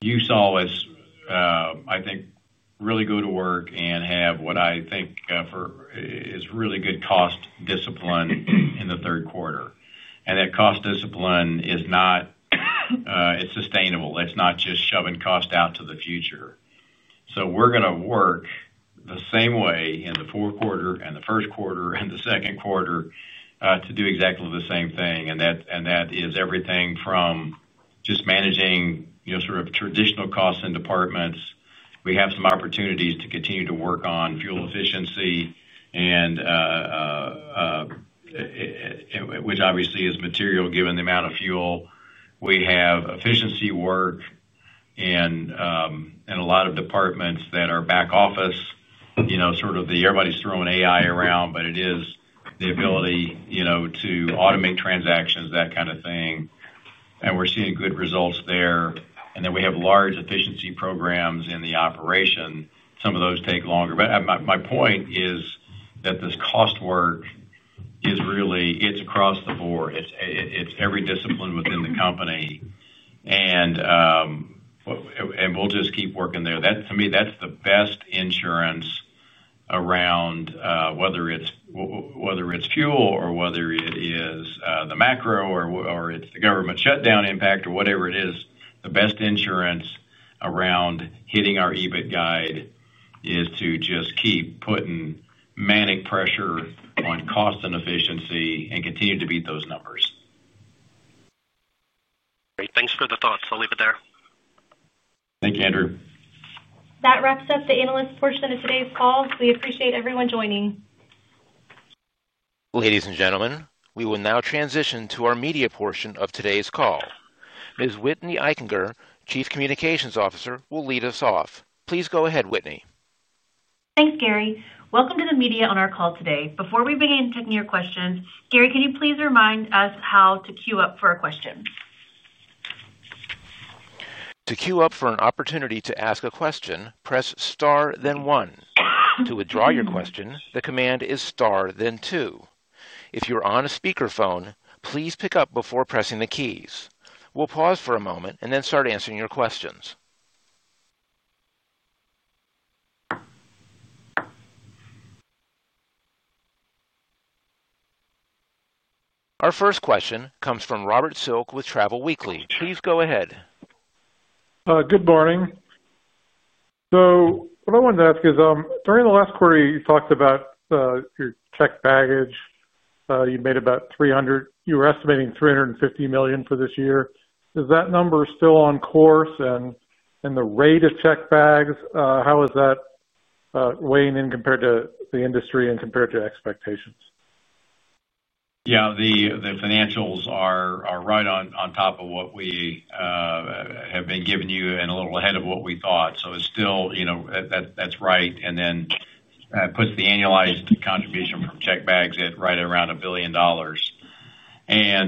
you saw us really go to work and have what I think is really good cost discipline in the third quarter. That cost discipline is sustainable. It's not just shoving cost out to the future. We're going to work the same way in the fourth quarter, the first quarter, and the second quarter to do exactly the same thing. That is everything from just managing traditional costs and departments. We have some opportunities to continue to work on fuel efficiency, which obviously is material given the amount of fuel. We have efficiency work in a lot of departments that are back office. Everybody's throwing AI around, but it is the ability to automate transactions, that kind of thing. We're seeing good results there. We have large efficiency programs in the operation. Some of those take longer. My point is that this cost work is really across the board. It's every discipline within the company. We'll just keep working there. To me, that's the best insurance around whether it's fuel or the macro or the government shutdown impact or whatever it is. The best insurance around hitting our EBIT guide is to just keep putting manic pressure on cost and efficiency and continue to beat those numbers. Thanks for the thoughts. I'll leave it there. Thank you, Andrew. That wraps up the analyst portion of today's call. We appreciate everyone joining. Ladies and gentlemen, we will now transition to our media portion of today's call. Ms. Whitney Eichinger, Chief Communications Officer, will lead us off. Please go ahead, Whitney. Thanks, Gary. Welcome to the media on our call today. Before we begin taking your questions, Gary, can you please remind us how to queue up for a question? To queue up for an opportunity to ask a question, press star, then one. To withdraw your question, the command is star, then two. If you're on a speakerphone, please pick up before pressing the keys. We'll pause for a moment and then start answering your questions. Our first question comes from Robert Silk with Travel Weekly. Please go ahead. Good morning. What I wanted to ask is, during the last quarter, you talked about your checked baggage. You made about $300 million, you were estimating $350 million for this year. Is that number still on course, and the rate of checked bags, how is that weighing in compared to the industry and compared to expectations? Yeah, the financials are right on top of what we have been giving you and a little ahead of what we thought. It's still, you know, that's right. It puts the annualized contribution from checked bags at right around $1 billion.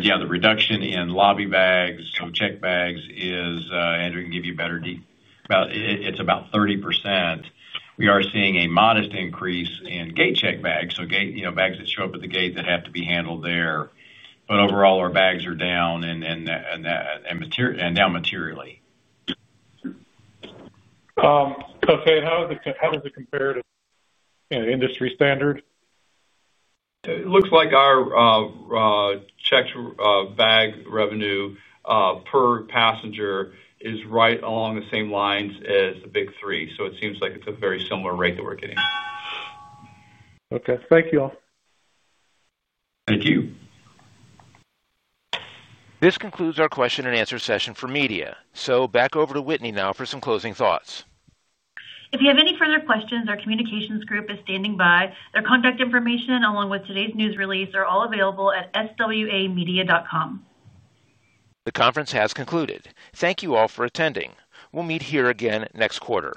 Yeah, the reduction in lobby bags, so checked bags is, Andrew can give you a better deep, it's about 30%. We are seeing a modest increase in gate checked bags, so gate, you know, bags that show up at the gate that have to be handled there. Overall, our bags are down and down materially. Okay, how does it compare to industry standard? It looks like our checked bag revenue per passenger is right along the same lines as the big three. It seems like it's a very similar rate that we're getting. Okay, thank you all. Thank you. This concludes our question and answer session for media. Back over to Whitney now for some closing thoughts. If you have any further questions, our Communications group is standing by. Their contact information, along with today's news release, are all available at swamedia.com. The conference has concluded. Thank you all for attending. We'll meet here again next quarter.